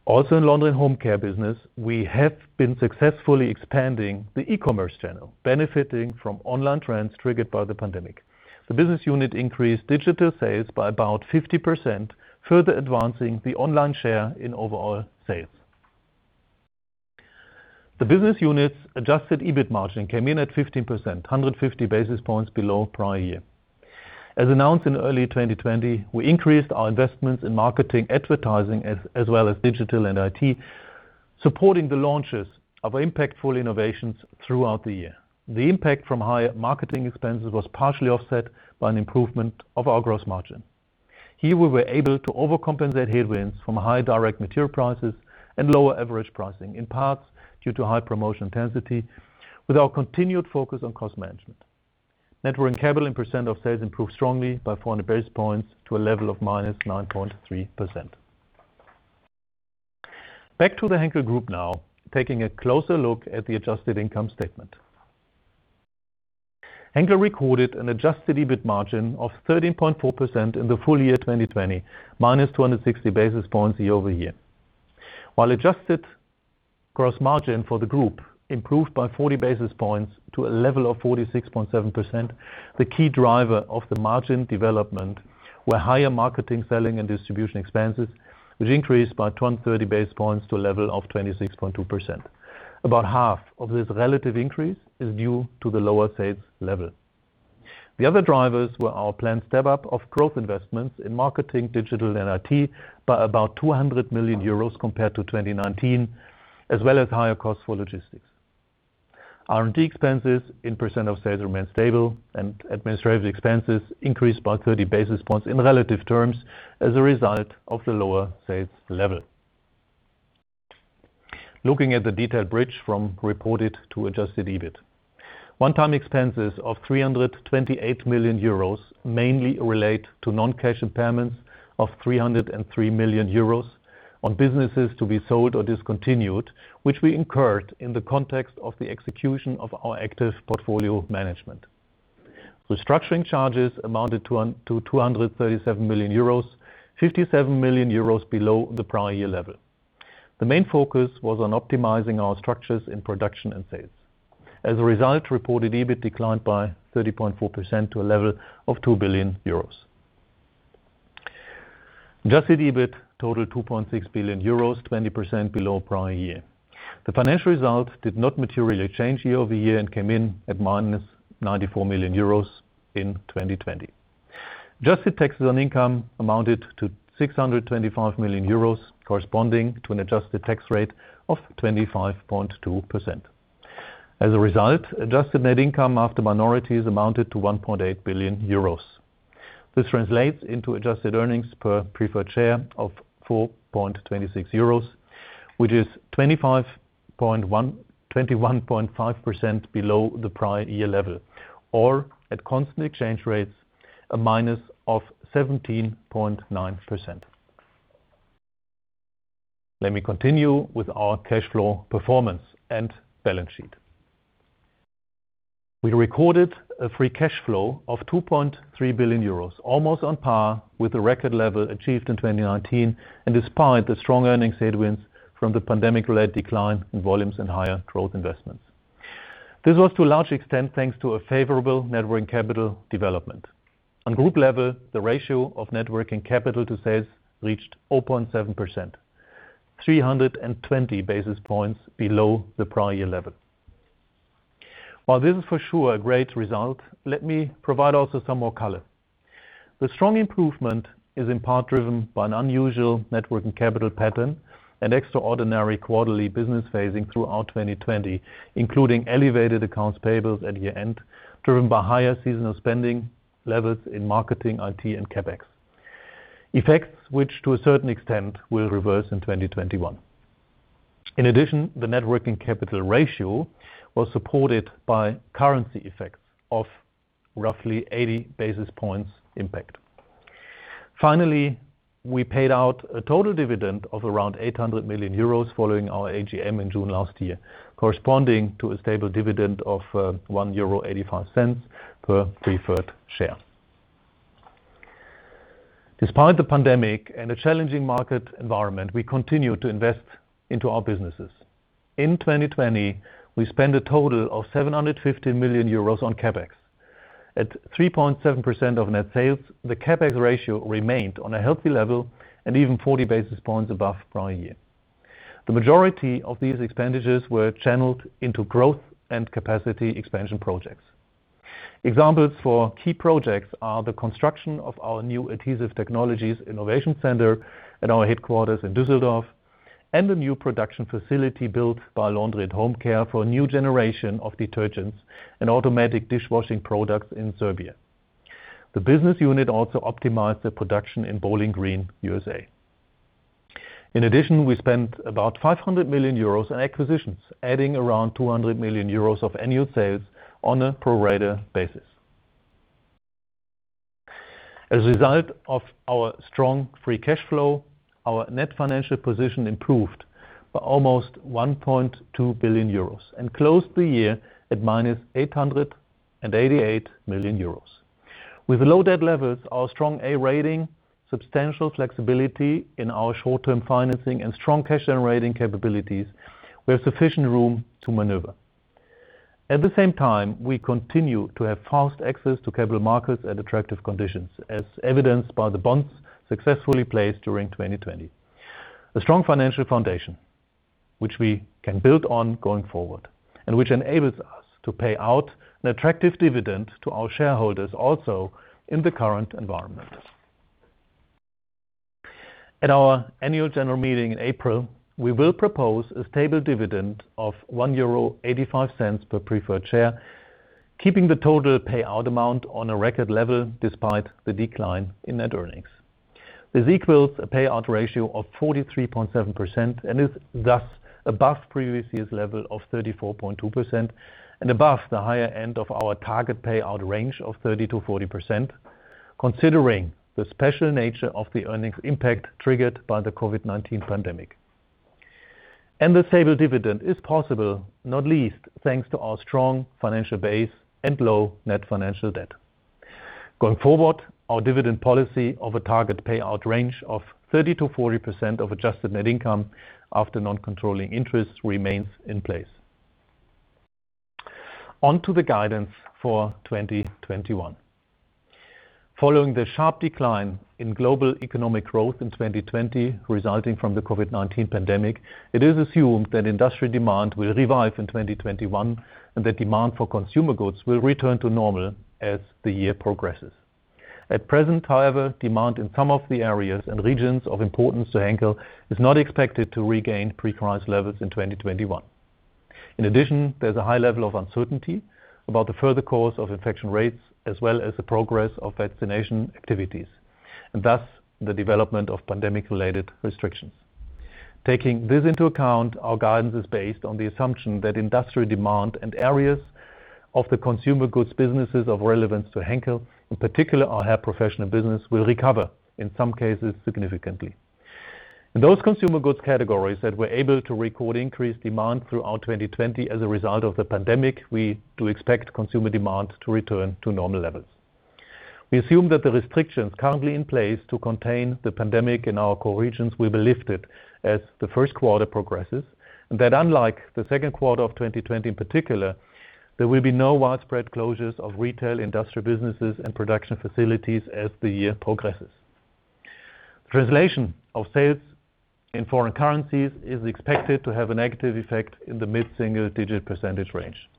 Also in Laundry & Home Care business, we have been successfully expanding the e-commerce channel, benefiting from online trends triggered by the pandemic. The business unit increased digital sales by about 50%, further advancing the online share in overall sales. The business unit's adjusted EBIT margin came in at 15%, 150 basis points below prior year. As announced in early 2020, we increased our investments in marketing, advertising, as well as digital and IT, supporting the launches of impactful innovations throughout the year. The impact from higher marketing expenses was partially offset by an improvement of our gross margin. Here, we were able to overcompensate headwinds from high direct material prices and lower average pricing, in parts due to high promotion intensity, with our continued focus on cost management. Net working capital in percent of sales improved strongly by 400 basis points to a level of -9.3%. Back to the Henkel Group now, taking a closer look at the adjusted income statement. Henkel recorded an adjusted EBIT margin of 13.4% in the full year 2020, -260 basis points year-over-year. While adjusted gross margin for the group improved by 40 basis points to a level of 46.7%, the key driver of the margin development were higher marketing, selling, and distribution expenses, which increased by 230 basis points to a level of 26.2%. About half of this relative increase is due to the lower sales level. The other drivers were our planned step-up of growth investments in marketing, digital, and IT by about 200 million euros compared to 2019, as well as higher costs for logistics. R&D expenses in percent of sales remained stable. Administrative expenses increased by 30 basis points in relative terms as a result of the lower sales level. Looking at the detailed bridge from reported to adjusted EBIT. One-time expenses of 328 million euros mainly relate to non-cash impairments of 303 million euros on businesses to be sold or discontinued, which we incurred in the context of the execution of our active portfolio management. Restructuring charges amounted to 237 million euros, 57 million euros below the prior year level. The main focus was on optimizing our structures in production and sales. As a result, reported EBIT declined by 30.4% to a level of 2 billion euros. Adjusted EBIT totaled 2.6 billion euros, 20% below prior year. The financial result did not materially change year-over-year and came in at -94 million euros in 2020. Adjusted taxes on income amounted to 625 million euros, corresponding to an adjusted tax rate of 25.2%. As a result, adjusted net income after minorities amounted to 1.8 billion euros. This translates into adjusted earnings per preferred share of 4.26 euros, which is 21.5% below the prior year level, or at constant exchange rates, a -17.9%. Let me continue with our cash flow performance and balance sheet. We recorded a free cash flow of 2.3 billion euros, almost on par with the record level achieved in 2019 and despite the strong earnings headwinds from the pandemic-related decline in volumes and higher growth investments. This was to a large extent thanks to a favorable net working capital development. On group level, the ratio of net working capital to sales reached 0.7%, 320 basis points below the prior year level. While this is for sure a great result, let me provide also some more color. The strong improvement is in part driven by an unusual net working capital pattern and extraordinary quarterly business phasing throughout 2020, including elevated accounts payables at year-end, driven by higher seasonal spending levels in marketing, IT, and CapEx. Effects which to a certain extent will reverse in 2021. In addition, the net working capital ratio was supported by currency effects of roughly 80 basis points impact. Finally, we paid out a total dividend of around 800 million euros following our AGM in June last year, corresponding to a stable dividend of 1.85 euro per preferred share. Despite the pandemic and a challenging market environment, we continue to invest into our businesses. In 2020, we spent a total of 750 million euros on CapEx. At 3.7% of net sales, the CapEx ratio remained on a healthy level and even 40 basis points above prior year. The majority of these expenditures were channeled into growth and capacity expansion projects. Examples for key projects are the construction of our new Adhesive Technologies Innovation Center at our headquarters in Düsseldorf, and a new production facility built by Laundry & Home Care for a new generation of detergents and automatic dishwashing products in Serbia. The business unit also optimized the production in Bowling Green, U.S. In addition, we spent about 500 million euros in acquisitions, adding around 200 million euros of annual sales on a pro-rata basis. As a result of our strong free cash flow, our net financial position improved by almost 1.2 billion euros and closed the year at -888 million euros. With low debt levels, our strong A rating, substantial flexibility in our short-term financing, and strong cash-generating capabilities, we have sufficient room to maneuver. At the same time, we continue to have fast access to capital markets at attractive conditions, as evidenced by the bonds successfully placed during 2020. A strong financial foundation, which we can build on going forward, and which enables us to pay out an attractive dividend to our shareholders also in the current environment. At our annual general meeting in April, we will propose a stable dividend of 1.85 euro per preferred share, keeping the total payout amount on a record level despite the decline in net earnings. This equals a payout ratio of 43.7% and is thus above previous year's level of 34.2% and above the higher end of our target payout range of 30%-40%, considering the special nature of the earnings impact triggered by the COVID-19 pandemic. The stable dividend is possible, not least, thanks to our strong financial base and low net financial debt. Going forward, our dividend policy of a target payout range of 30%-40% of adjusted net income after non-controlling interest remains in place. On to the guidance for 2021. Following the sharp decline in global economic growth in 2020 resulting from the COVID-19 pandemic, it is assumed that industrial demand will revive in 2021, and that demand for consumer goods will return to normal as the year progresses. At present, however, demand in some of the areas and regions of importance to Henkel is not expected to regain pre-crisis levels in 2021. In addition, there's a high level of uncertainty about the further course of infection rates, as well as the progress of vaccination activities, and thus the development of pandemic-related restrictions. Taking this into account, our guidance is based on the assumption that industrial demand and areas of the consumer goods businesses of relevance to Henkel, in particular our hair professional business, will recover, in some cases, significantly. In those consumer goods categories that were able to record increased demand throughout 2020 as a result of the pandemic, we do expect consumer demand to return to normal levels. We assume that the restrictions currently in place to contain the pandemic in our core regions will be lifted as the first quarter progresses, and that, unlike the second quarter of 2020 in particular, there will be no widespread closures of retail, industrial businesses, and production facilities as the year progresses. Translation of sales in foreign currencies is expected to have a negative effect in the mid single-digit percentage range.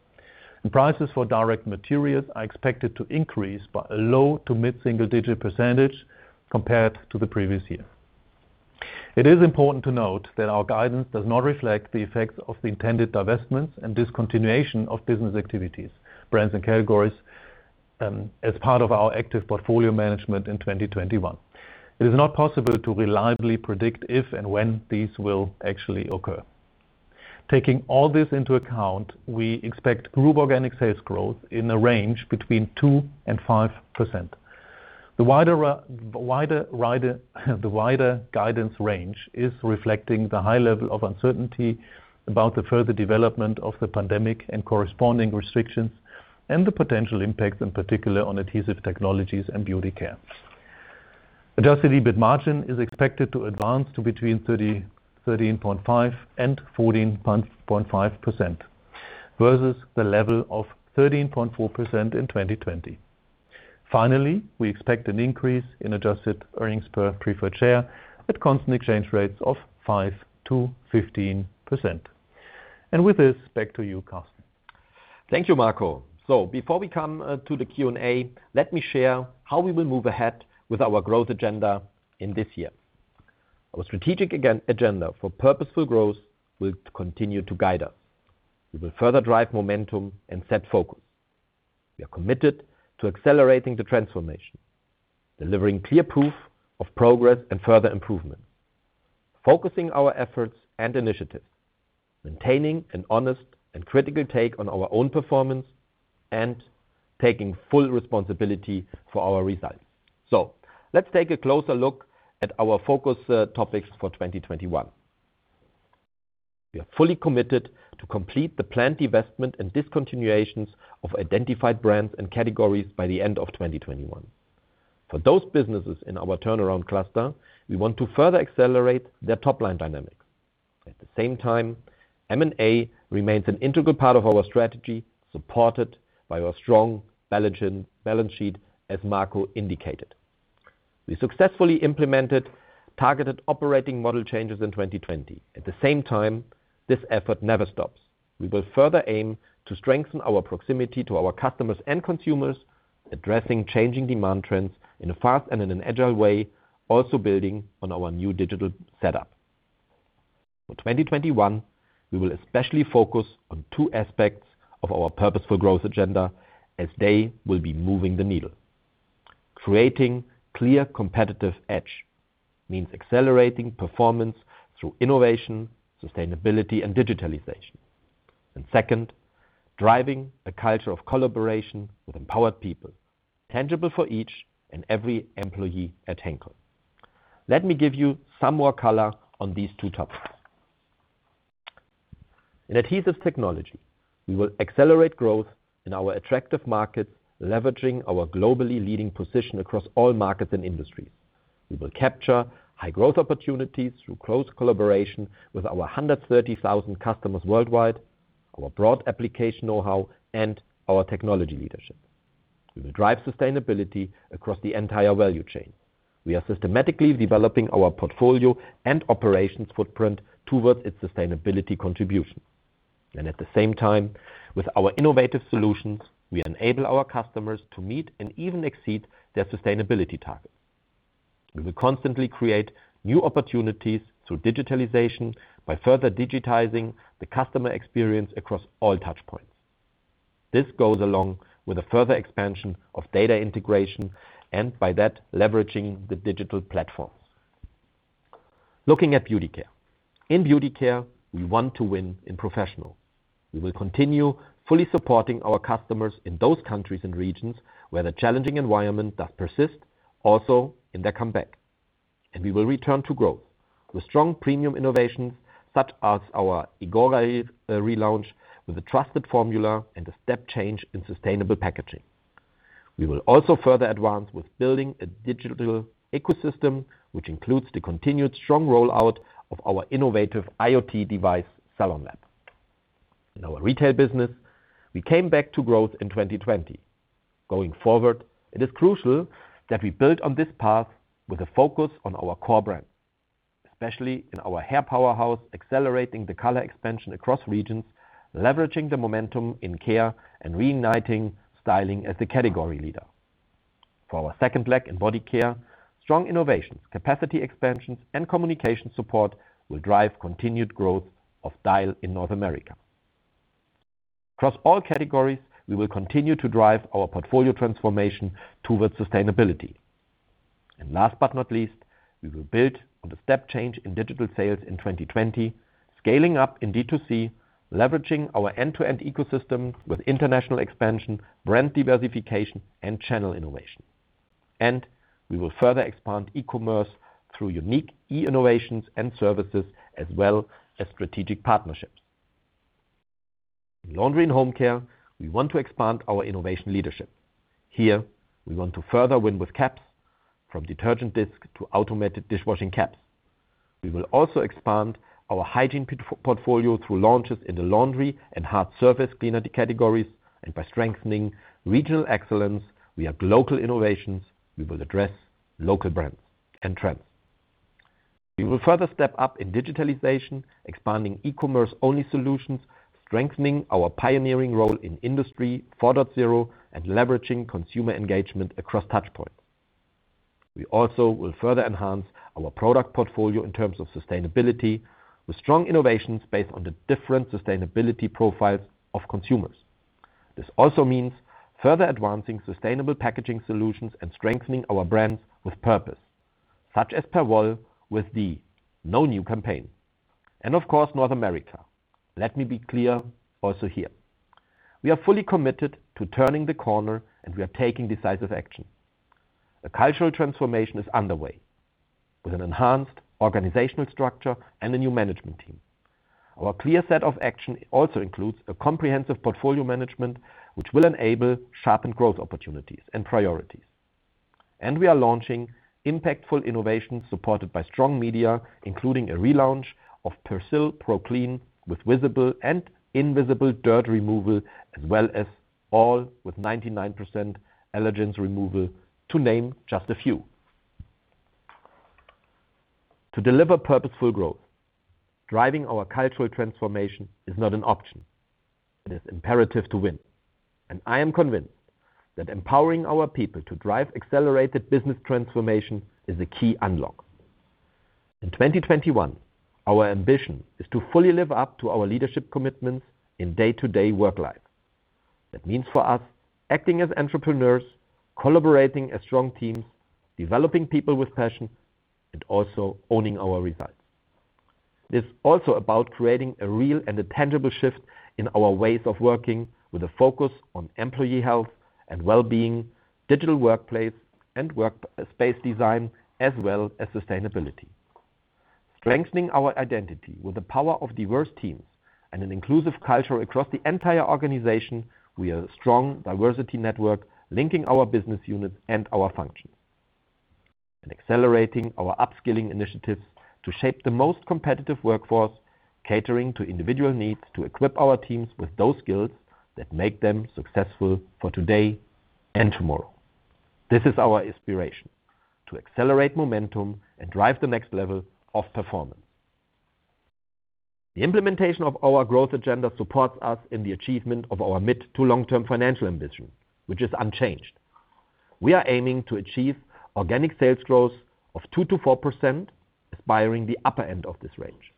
Prices for direct materials are expected to increase by a low to mid single-digit percentage compared to the previous year. It is important to note that our guidance does not reflect the effects of the intended divestments and discontinuation of business activities, brands, and categories, as part of our active portfolio management in 2021. It is not possible to reliably predict if and when these will actually occur. Taking all this into account, we expect group organic sales growth in the range between 2% and 5%. The wider guidance range is reflecting the high level of uncertainty about the further development of the pandemic and corresponding restrictions, and the potential impacts, in particular, on Adhesive Technologies and Beauty Care. Adjusted EBIT margin is expected to advance to between 13.5% and 14.5%, versus the level of 13.4% in 2020. Finally, we expect an increase in adjusted earnings per preferred share at constant exchange rates of 5%-15%. With this, back to you, Carsten.
Thank you, Marco. Before we come to the Q&A, let me share how we will move ahead with our growth agenda in this year. Our strategic agenda for Purposeful Growth will continue to guide us. We will further drive momentum and set focus. We are committed to accelerating the transformation, delivering clear proof of progress and further improvement, focusing our efforts and initiatives, maintaining an honest and critical take on our own performance, and taking full responsibility for our results. Let's take a closer look at our focus topics for 2021. We are fully committed to complete the planned divestment and discontinuations of identified brands and categories by the end of 2021. For those businesses in our turnaround cluster, we want to further accelerate their top-line dynamics. At the same time, M&A remains an integral part of our strategy, supported by our strong balance sheet, as Marco indicated. We successfully implemented targeted operating model changes in 2020. This effort never stops. We will further aim to strengthen our proximity to our customers and consumers, addressing changing demand trends in a fast and in an agile way, also building on our new digital setup. For 2021, we will especially focus on two aspects of our Purposeful Growth agenda, as they will be moving the needle. Creating clear competitive edge means accelerating performance through innovation, sustainability, and digitalization. Second, driving a culture of collaboration with empowered people, tangible for each and every employee at Henkel. Let me give you some more color on these two topics. In Adhesive Technologies, we will accelerate growth in our attractive markets, leveraging our globally leading position across all markets and industries. We will capture high-growth opportunities through close collaboration with our 130,000 customers worldwide, our broad application know-how, and our technology leadership. We will drive sustainability across the entire value chain. We are systematically developing our portfolio and operations footprint towards its sustainability contribution. At the same time, with our innovative solutions, we enable our customers to meet and even exceed their sustainability targets. We will constantly create new opportunities through digitalization by further digitizing the customer experience across all touchpoints. This goes along with a further expansion of data integration, and by that, leveraging the digital platforms. Looking at Beauty Care. In Beauty Care, we want to win in professional. We will continue fully supporting our customers in those countries and regions where the challenging environment does persist, also in their comeback. We will return to grow with strong premium innovations, such as our Igora relaunch with a trusted formula and a step change in sustainable packaging. We will also further advance with building a digital ecosystem, which includes the continued strong rollout of our innovative IoT device, SalonLab. In our retail business, we came back to growth in 2020. Going forward, it is crucial that we build on this path with a focus on our core brand, especially in our hair powerhouse, accelerating the color expansion across regions, leveraging the momentum in care, and reigniting styling as the category leader. For our second leg in body care, strong innovations, capacity expansions, and communication support will drive continued growth of Dial in North America. Across all categories, we will continue to drive our portfolio transformation towards sustainability. Last but not least, we will build on the step change in digital sales in 2020, scaling up in D2C, leveraging our end-to-end ecosystem with international expansion, brand diversification, and channel innovation. We will further expand e-commerce through unique e-innovations and services, as well as strategic partnerships. In Laundry & Home Care, we want to expand our innovation leadership. Here, we want to further win with caps, from detergent discs to automated dishwashing caps. We will also expand our hygiene portfolio through launches in the laundry and hard surface cleaner categories, and by strengthening regional excellence via local innovations, we will address local brands and trends. We will further step up in digitalization, expanding e-commerce-only solutions, strengthening our pioneering role in Industry 4.0, and leveraging consumer engagement across touchpoints. We also will further enhance our product portfolio in terms of sustainability, with strong innovations based on the different sustainability profiles of consumers. This also means further advancing sustainable packaging solutions and strengthening our brands with purpose, such as Perwoll with the No New campaign. Of course, North America. Let me be clear also here. We are fully committed to turning the corner, and we are taking decisive action. A cultural transformation is underway, with an enhanced organizational structure and a new management team. Our clear set of action also includes a comprehensive portfolio management, which will enable sharpened growth opportunities and priorities. We are launching impactful innovations supported by strong media, including a relaunch of Persil ProClean with visible and invisible dirt removal, as well as all with 99% allergens removal, to name just a few. To deliver Purposeful Growth, driving our cultural transformation is not an option. It is imperative to win. I am convinced that empowering our people to drive accelerated business transformation is a key unlock. In 2021, our ambition is to fully live up to our leadership commitments in day-to-day work life. That means for us acting as entrepreneurs, collaborating as strong teams, developing people with passion, and also owning our results. It is also about creating a real and a tangible shift in our ways of working, with a focus on employee health and well-being, digital workplace and work space design, as well as sustainability. Strengthening our identity with the power of diverse teams and an inclusive culture across the entire organization, we are a strong diversity network linking our business units and our functions. Accelerating our upskilling initiatives to shape the most competitive workforce, catering to individual needs to equip our teams with those skills that make them successful for today and tomorrow. This is our inspiration: to accelerate momentum and drive the next level of performance. The implementation of our growth agenda supports us in the achievement of our mid to long-term financial ambition, which is unchanged. We are aiming to achieve organic sales growth of 2%-4%, aspiring the upper end of this range.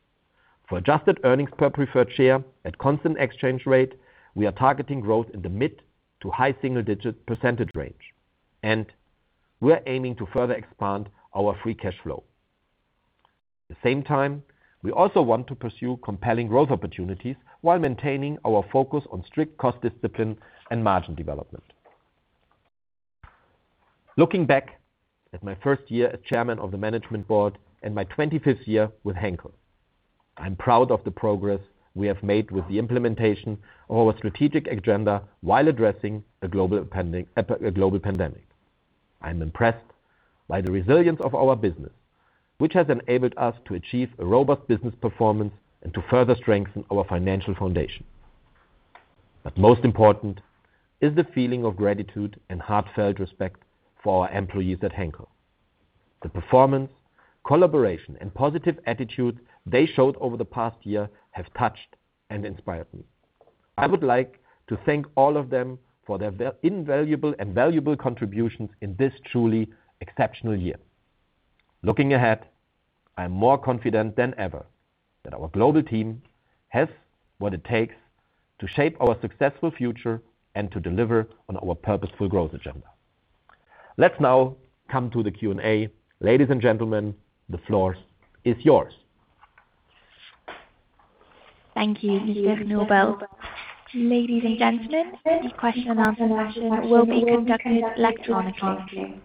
For adjusted earnings per preferred share at constant exchange rate, we are targeting growth in the mid to high single-digit percentage range, and we're aiming to further expand our free cash flow. At the same time, we also want to pursue compelling growth opportunities while maintaining our focus on strict cost discipline and margin development. Looking back at my first year as chairman of the Management Board and my 25th year with Henkel, I'm proud of the progress we have made with the implementation of our strategic agenda while addressing a global pandemic. I'm impressed by the resilience of our business, which has enabled us to achieve a robust business performance and to further strengthen our financial foundation. Most important is the feeling of gratitude and heartfelt respect for our employees at Henkel. The performance, collaboration, and positive attitude they showed over the past year have touched and inspired me. I would like to thank all of them for their invaluable and valuable contributions in this truly exceptional year. Looking ahead, I'm more confident than ever that our global team has what it takes to shape our successful future and to deliver on our Purposeful Growth agenda. Let's now come to the Q&A. Ladies and gentlemen, the floor is yours.
Thank you, Mr. Knobel. Ladies and gentlemen, the question and answer session will be conducted electronically.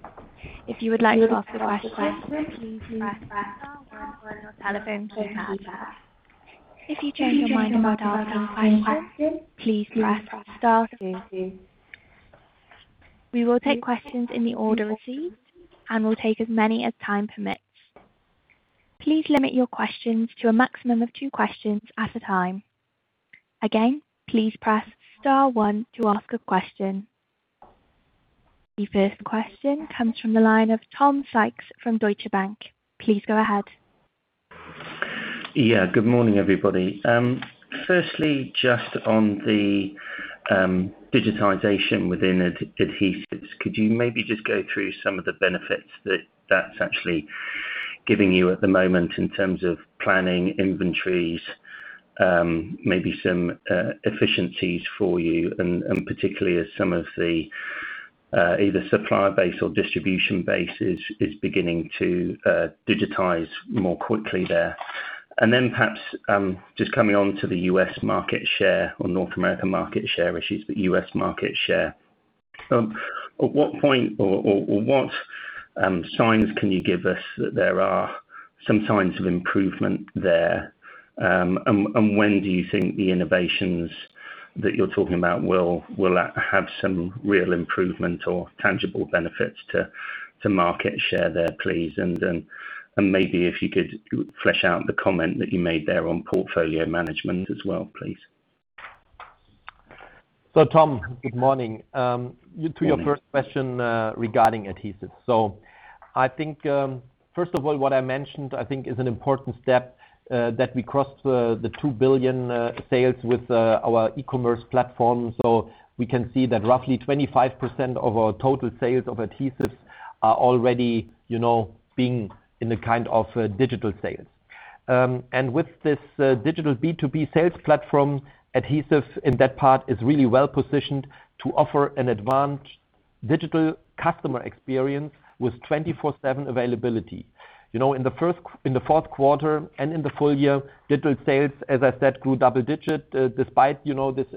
If you would like to ask a question, please press star one on your telephone keypad. If you change your mind about asking a question, please press star two. We will take questions in the order received and will take as many as time permits. Please limit your questions to a maximum of two questions at a time. Again, please press star one to ask a question. The first question comes from the line of Tom Sykes from Deutsche Bank. Please go ahead.
Yeah. Good morning, everybody. Firstly, just on the digitization within adhesives, could you maybe just go through some of the benefits that is actually giving you at the moment in terms of planning inventories, maybe some efficiencies for you, and particularly as some of the either supplier base or distribution base is beginning to digitize more quickly there? Perhaps, just coming on to the U.S. market share or North American market share issues, but U.S. market share. At what point or what signs can you give us that there are some signs of improvement there? When do you think the innovations that you are talking about will have some real improvement or tangible benefits to market share there, please? Maybe if you could flesh out the comment that you made there on portfolio management as well, please.
Tom, good morning.
Morning.
To your first question regarding adhesives. First of all, what I mentioned is an important step, that we crossed the 2 billion sales with our e-commerce platform. We can see that roughly 25% of our total sales of adhesives are already being in the kind of digital sales. With this digital B2B sales platform, Adhesives in that part is really well positioned to offer an advanced digital customer experience with 24/7 availability. In the fourth quarter and in the full year, digital sales, as I said, grew double digit, despite this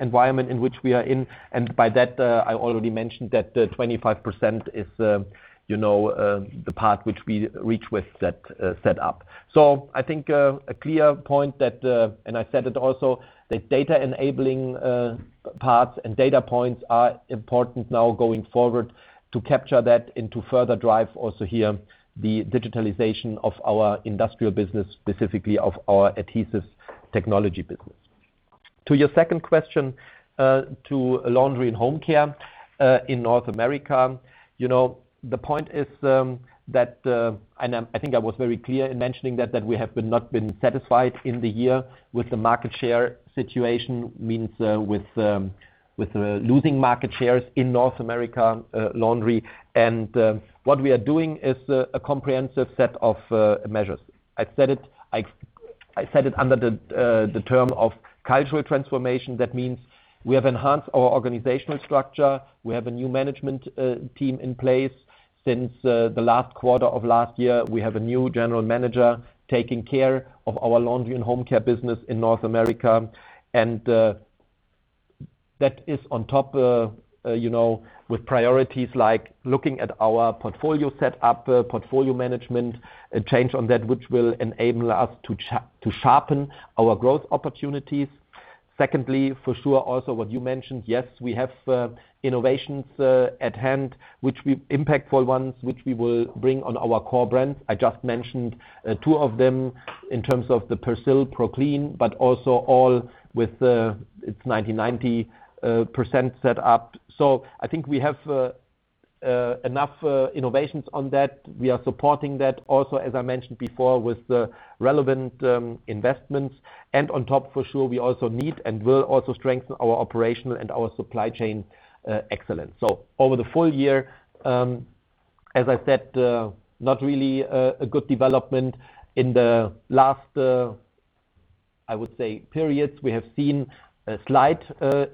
environment in which we are in. By that, I already mentioned that the 25% is the part which we reach with set up. I think a clear point that, and I said it also, that data enabling parts and data points are important now going forward to capture that and to further drive also here the digitalization of our industrial business, specifically of our Adhesive Technologies business. To your second question, to Laundry & Home Care, in North America, the point is that, and I think I was very clear in mentioning that we have not been satisfied in the year with the market share situation. Means with losing market shares in North America Laundry. What we are doing is a comprehensive set of measures. I said it under the term of cultural transformation. That means we have enhanced our organizational structure. We have a new management team in place since the last quarter of last year. We have a new general manager taking care of our Laundry & Home Care business in North America. That is on top with priorities like looking at our portfolio set up, portfolio management, a change on that which will enable us to sharpen our growth opportunities. Secondly, for sure, also what you mentioned, yes, we have innovations at hand, impactful ones, which we will bring on our core brands. I just mentioned two of them in terms of the Persil ProClean, also all with its 90% set up. I think we have enough innovations on that. We are supporting that also, as I mentioned before, with the relevant investments. On top for sure, we also need and will also strengthen our operational and our supply chain excellence. Over the full year, as I said, not really a good development. In the last, I would say periods, we have seen a slight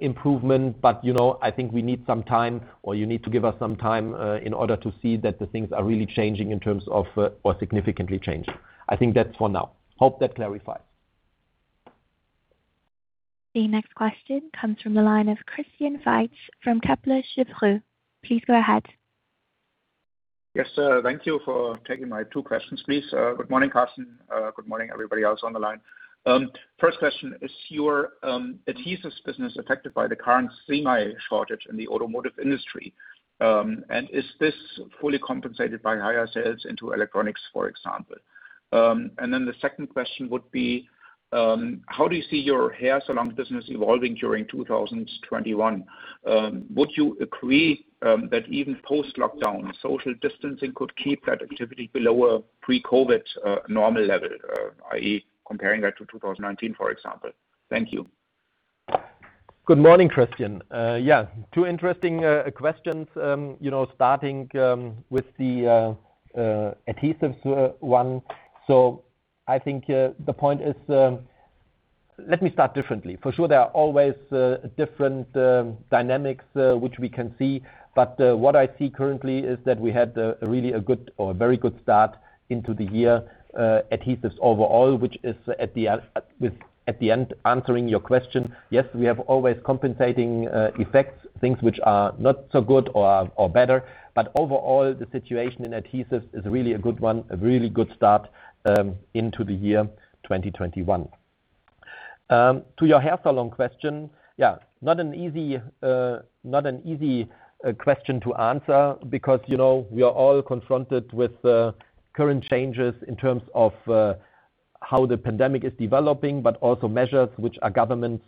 improvement. I think we need some time, or you need to give us some time, in order to see that the things are really changing in terms of or significantly changing. I think that's for now. Hope that clarifies.
The next question comes from the line of Christian Faitz from Kepler Cheuvreux. Please go ahead.
Yes, thank you for taking my two questions, please. Good morning, Carsten. Good morning, everybody else on the line. First question, is your adhesives business affected by the current semi shortage in the automotive industry? Is this fully compensated by higher sales into electronics, for example? The second question would be, how do you see your hair salon business evolving during 2021? Would you agree, that even post-lockdown, social distancing could keep that activity below a pre-COVID-19, normal level, i.e., comparing that to 2019, for example? Thank you.
Good morning, Christian. Yeah, two interesting questions. Starting with the adhesives one. Let me start differently. For sure, there are always different dynamics which we can see, but what I see currently is that we had really a good or a very good start into the year adhesives overall, which is at the end answering your question. Yes, we have always compensating effects, things which are not so good or better, but overall, the situation in adhesives is really a good one, a really good start into the year 2021. To your hair salon question, yeah, not an easy question to answer because we are all confronted with current changes in terms of how the pandemic is developing, but also measures which are governments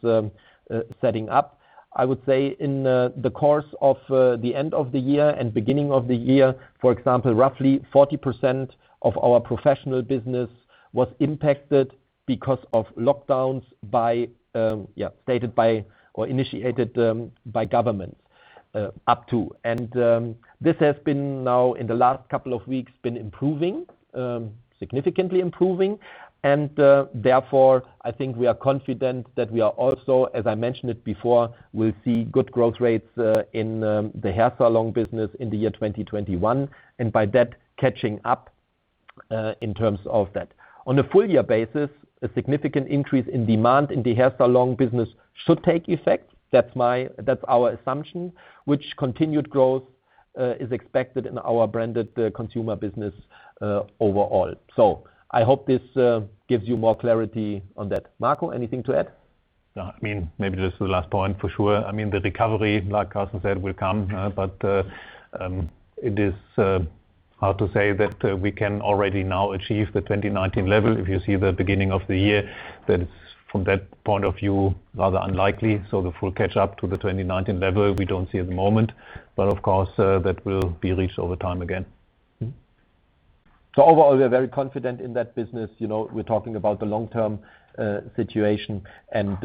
setting up. I would say in the course of the end of the year and beginning of the year, for example, roughly 40% of our professional business was impacted because of lockdowns initiated by governments. This has been now, in the last couple of weeks, been improving, significantly improving, therefore, I think we are confident that we are also, as I mentioned it before, will see good growth rates in the hair salon business in the year 2021. By that, catching up in terms of that. On a full year basis, a significant increase in demand in the hair salon business should take effect. That's our assumption, which continued growth is expected in our branded consumer business overall. I hope this gives you more clarity on that. Marco, anything to add?
No, maybe just the last point for sure. The recovery, like Carsten said, will come, but it is hard to say that we can already now achieve the 2019 level. If you see the beginning of the year, then from that point of view, rather unlikely. The full catch up to the 2019 level, we don't see at the moment, but of course, that will be reached over time again.
Overall, we are very confident in that business. We are talking about the long-term situation and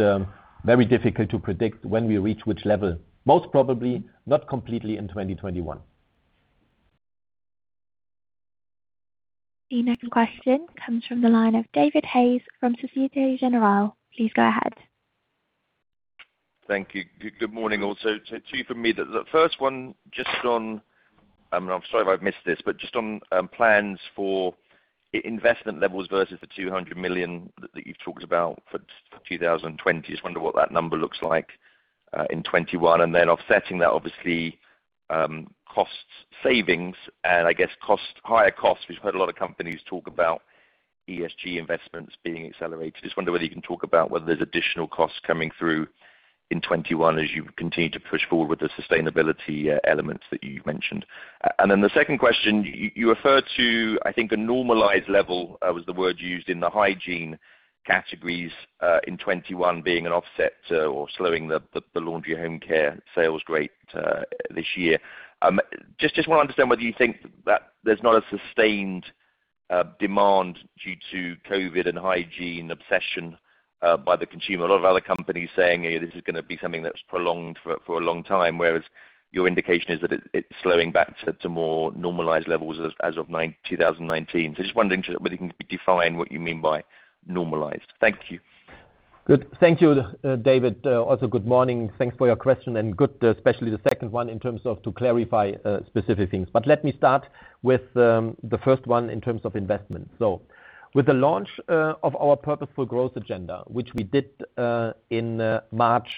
very difficult to predict when we reach which level. Most probably not completely in 2021.
The next question comes from the line of David Hayes from Societe Generale. Please go ahead.
Thank you. Good morning, also. Two from me. The first one. I'm sorry if I've missed this, just on plans for investment levels versus the 200 million that you've talked about for 2020. Just wonder what that number looks like in 2021, offsetting that obviously, cost savings and I guess higher costs. We've heard a lot of companies talk about ESG investments being accelerated. Just wonder whether you can talk about whether there's additional costs coming through in 2021 as you continue to push forward with the sustainability elements that you mentioned. The second question, you referred to, I think, a normalized level, was the word you used in the hygiene categories, in 2021 being an offset or slowing the Laundry & Home Care sales rate this year. Just want to understand whether you think that there's not a sustained demand due to COVID and hygiene obsession by the consumer. A lot of other companies saying this is going to be something that's prolonged for a long time, whereas your indication is that it's slowing back to more normalized levels as of 2019. Just wondering whether you can define what you mean by normalized. Thank you.
Good. Thank you, David. Also, good morning. Thanks for your question and good, especially the second one in terms of to clarify specific things. Let me start with the first one in terms of investment. With the launch of our Purposeful Growth agenda, which we did in March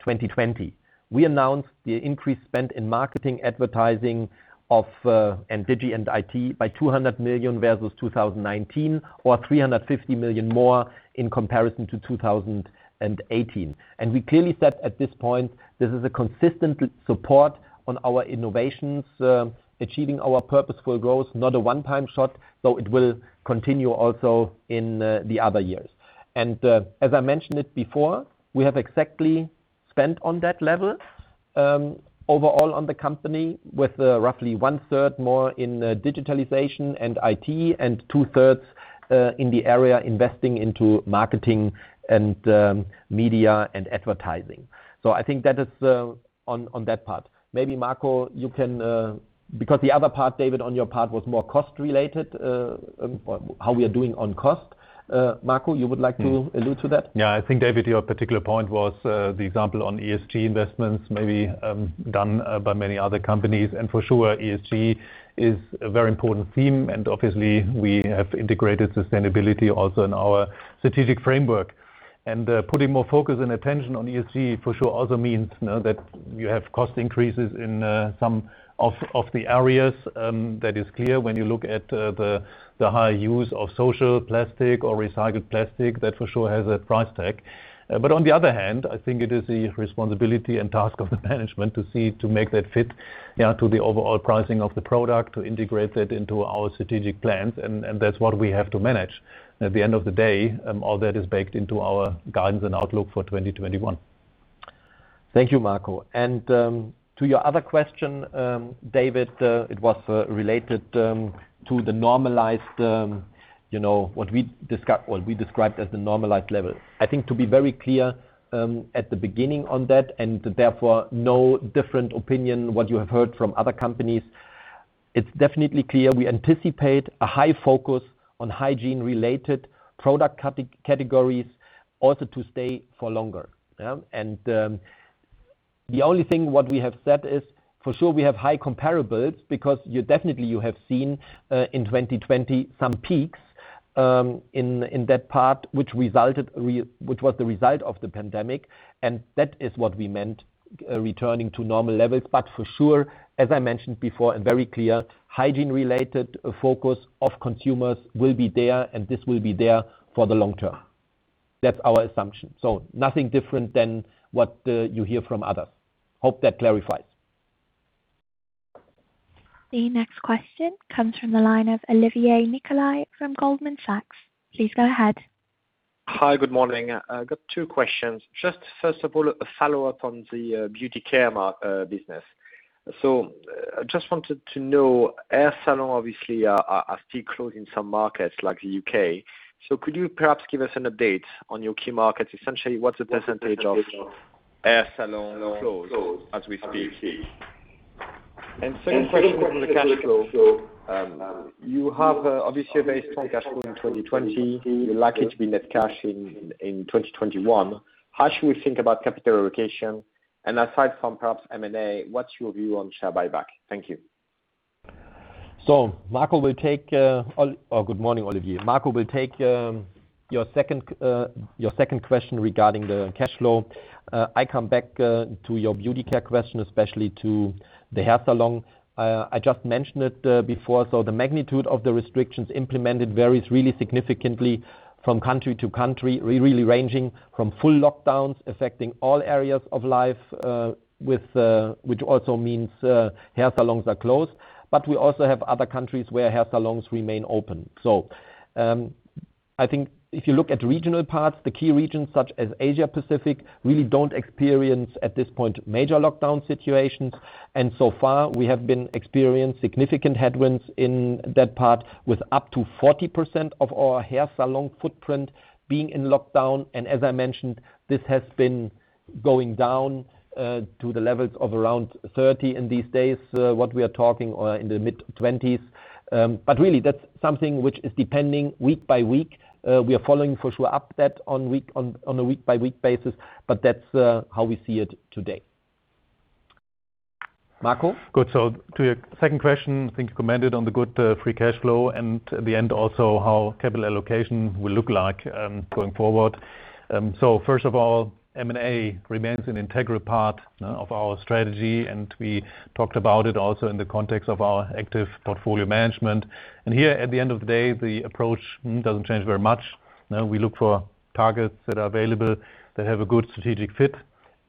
2020, we announced the increased spend in marketing, advertising, and digital and IT by 200 million versus 2019 or 350 million more in comparison to 2018. We clearly said at this point, this is a consistent support on our innovations, achieving our Purposeful Growth, not a one-time shot, so it will continue also in the other years. As I mentioned it before, we have exactly spent on that level, overall on the company with roughly 1/3 more in digitalization and IT and 2/3 in the area investing into marketing and media and advertising. I think that is on that part. Maybe Marco, you can. The other part, David, on your part, was more cost related, how we are doing on cost. Marco, you would like to allude to that?
I think, David, your particular point was the example on ESG investments maybe done by many other companies. For sure, ESG is a very important theme, and obviously we have integrated sustainability also in our strategic framework. Putting more focus and attention on ESG for sure also means that you have cost increases in some of the areas, that is clear when you look at the high use of Social Plastic or recycled plastic, that for sure has a price tag. On the other hand, I think it is the responsibility and task of the management to see to make that fit to the overall pricing of the product, to integrate that into our strategic plans, and that's what we have to manage. At the end of the day, all that is baked into our guidance and outlook for 2021.
Thank you, Marco. To your other question, David, it was related to what we described as the normalized level. I think to be very clear, at the beginning on that, therefore no different opinion what you have heard from other companies, it's definitely clear we anticipate a high focus on hygiene-related product categories also to stay for longer. Yeah? The only thing what we have said is for sure we have high comparables because definitely you have seen, in 2020 some peaks in that part, which was the result of the pandemic. That is what we meant. Returning to normal levels, for sure, as I mentioned before, very clear, hygiene-related focus of consumers will be there, this will be there for the long term. That's our assumption. Nothing different than what you hear from others. Hope that clarifies.
The next question comes from the line of Olivier Nicolai from Goldman Sachs. Please go ahead.
Hi. Good morning. I got two questions. Just a follow up on the Beauty Care business. I just wanted to know, hair salon obviously are still closed in some markets like the U.K. Could you perhaps give us an update on your key markets? Essentially, what's the percentage of hair salon closed as we speak? Second question on the cash flow. You have obviously a very strong cash flow in 2020. You're likely to be net cash in 2021. How should we think about capital allocation? Aside from perhaps M&A, what's your view on share buyback? Thank you.
Good morning, Olivier. Marco will take your second question regarding the cash flow. I come back to your Beauty Care question, especially to the hair salon. I just mentioned it before, the magnitude of the restrictions implemented varies really significantly from country to country, really ranging from full lockdowns affecting all areas of life, which also means, hair salons are closed. We also have other countries where hair salons remain open. I think if you look at regional parts, the key regions such as Asia-Pacific really don't experience at this point major lockdown situations. So far we have been experienced significant headwinds in that part with up to 40% of our hair salon footprint being in lockdown. As I mentioned, this has been going down to the levels of around 30% in these days, what we are talking in the mid-20s. Really that's something which is depending week by week. We are following for sure up that on a week-by-week basis, but that's how we see it today. Marco?
Good. To your second question, I think you commented on the good free cash flow and at the end also how capital allocation will look like going forward. First of all, M&A remains an integral part of our strategy. We talked about it also in the context of our active portfolio management. Here at the end of the day, the approach doesn't change very much. We look for targets that are available that have a good strategic fit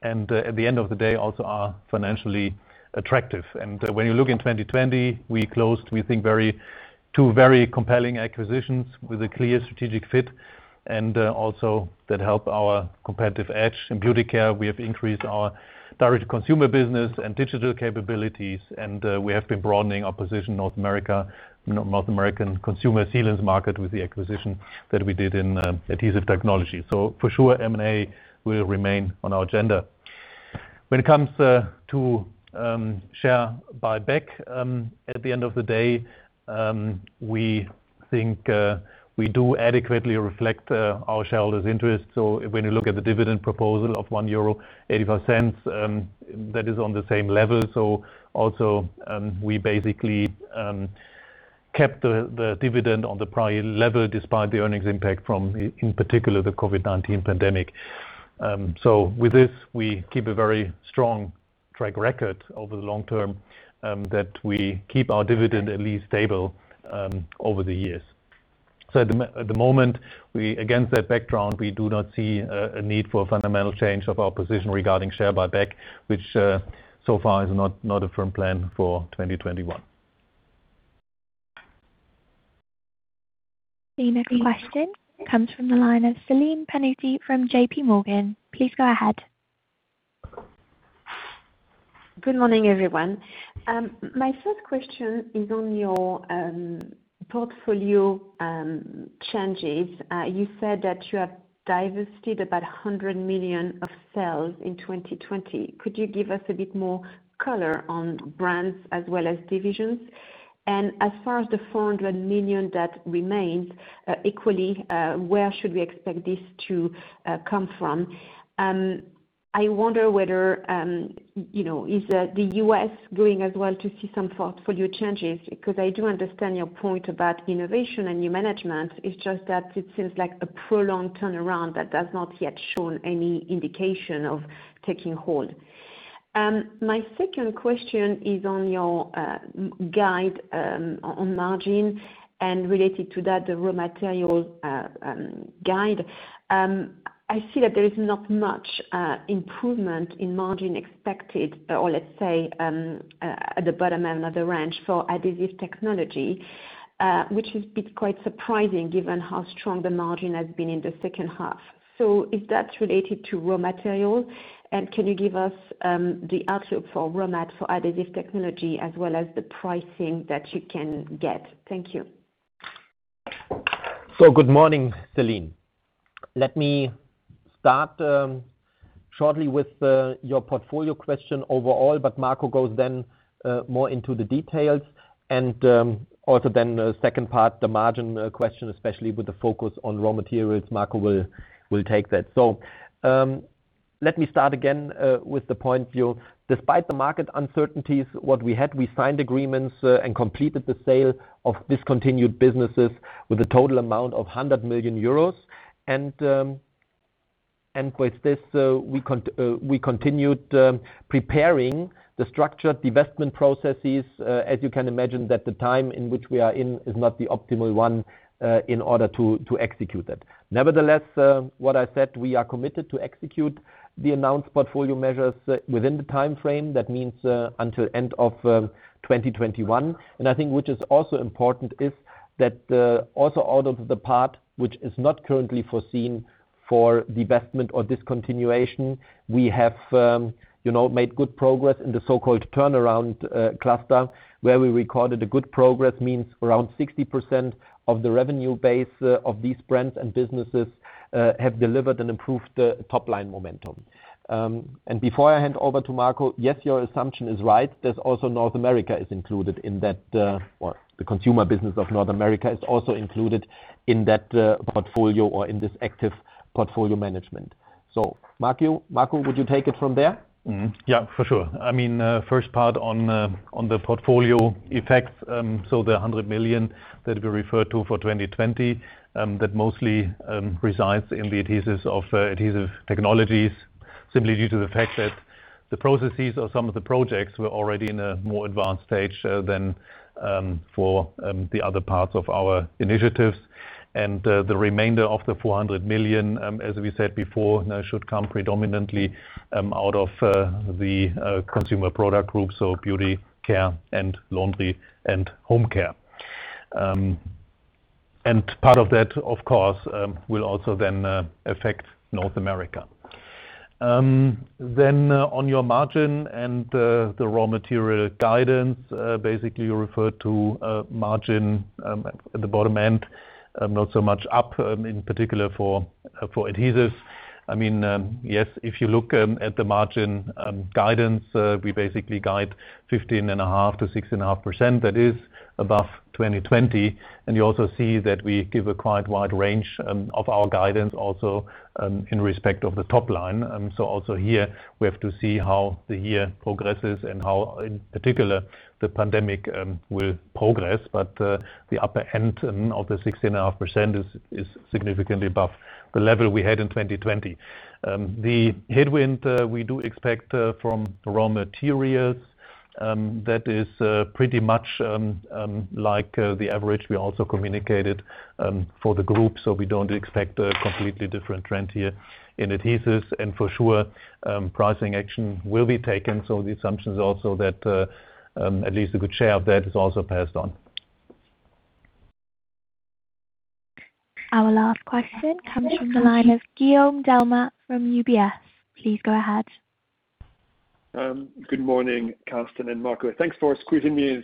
and at the end of the day, also are financially attractive. When you look in 2020, we closed, we think, two very compelling acquisitions with a clear strategic fit and also that help our competitive edge. In Beauty Care, we have increased our direct consumer business and digital capabilities, and we have been broadening our position North American consumer sealants market with the acquisition that we did in Adhesive Technologies. For sure, M&A will remain on our agenda. When it comes to share buyback, at the end of the day, we think we do adequately reflect our shareholders' interest. When you look at the dividend proposal of 1.85 euro, that is on the same level. Also, we basically kept the dividend on the prior level despite the earnings impact from, in particular, the COVID-19 pandemic. With this, we keep a very strong track record over the long term, that we keep our dividend at least stable over the years. At the moment, against that background, we do not see a need for fundamental change of our position regarding share buyback, which so far is not a firm plan for 2021.
The next question comes from the line of Celine Pannuti from JPMorgan. Please go ahead.
Good morning, everyone. My first question is on your portfolio changes. You said that you have divested about 100 million of sales in 2020. Could you give us a bit more color on brands as well as divisions? As far as the 400 million that remains, equally, where should we expect this to come from? I wonder whether the U.S. going as well to see some portfolio changes, because I do understand your point about innovation and new management, it's just that it seems like a prolonged turnaround that has not yet shown any indication of taking hold. My second question is on your guide on margin, and related to that, the raw material guide. I see that there is not much improvement in margin expected, or let's say, at the bottom end of the range for Adhesive Technologies, which has been quite surprising given how strong the margin has been in the second half. Is that related to raw material, and can you give us the outlook for raw mat for Adhesive Technologies as well as the pricing that you can get? Thank you.
Good morning, Celine. Let me start shortly with your portfolio question overall, but Marco goes then more into the details and also then the second part, the margin question, especially with the focus on raw materials, Marco will take that. Let me start again with the point of view despite the market uncertainties, what we had, we signed agreements and completed the sale of discontinued businesses with a total amount of 100 million euros. With this, we continued preparing the structured divestment processes. As you can imagine, the time in which we are in is not the optimal one in order to execute that. Nevertheless, what I said, we are committed to execute the announced portfolio measures within the timeframe. That means until end of 2021. I think which is also important is that also out of the part, which is not currently foreseen for divestment or discontinuation, we have made good progress in the so-called turnaround cluster, where we recorded a good progress. Means around 60% of the revenue base of these brands and businesses have delivered and improved top line momentum. Before I hand over to Marco, yes, your assumption is right. There's also North America is included in that, or the consumer business of North America is also included in that portfolio or in this active portfolio management. Marco, would you take it from there?
Mm-hmm. Yeah, for sure. First part on the portfolio effects, so the 100 million that we referred to for 2020, that mostly resides in the adhesives of Adhesive Technologies, simply due to the fact that the processes of some of the projects were already in a more advanced stage than for the other parts of our initiatives. The remainder of the 400 million, as we said before, now should come predominantly out of the consumer product group, so Beauty Care and Laundry & Home Care. Part of that, of course, will also then affect North America. On your margin and the raw material guidance, basically, you referred to margin at the bottom end, not so much up, in particular for adhesives. Yes, if you look at the margin guidance, we basically guide 15.5%-16.5%. That is above 2020. You also see that we give a quite wide range of our guidance also in respect of the top line. Also here, we have to see how the year progresses and how, in particular, the pandemic will progress. The upper end of the 16.5% is significantly above the level we had in 2020. The headwind we do expect from raw materials, that is pretty much like the average we also communicated for the group. We don't expect a completely different trend here in adhesives. For sure, pricing action will be taken. The assumption is also that at least a good share of that is also passed on.
Our last question comes from the line of Guillaume Delmas from UBS. Please go ahead.
Good morning, Carsten and Marco. Thanks for squeezing me in.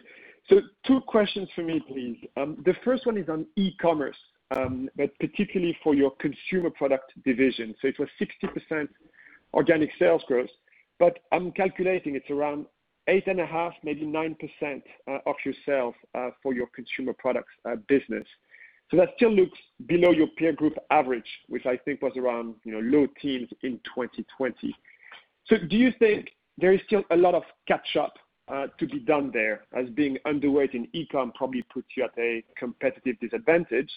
Two questions from me, please. The first one is on e-commerce, but particularly for your consumer product division. It was 60% organic sales growth, but I'm calculating it's around 8.5%, maybe 9% of your sales for your consumer products business. That still looks below your peer group average, which I think was around low teens in 2020. Do you think there is still a lot of catch up to be done there as being underweight in e-commerce probably puts you at a competitive disadvantage?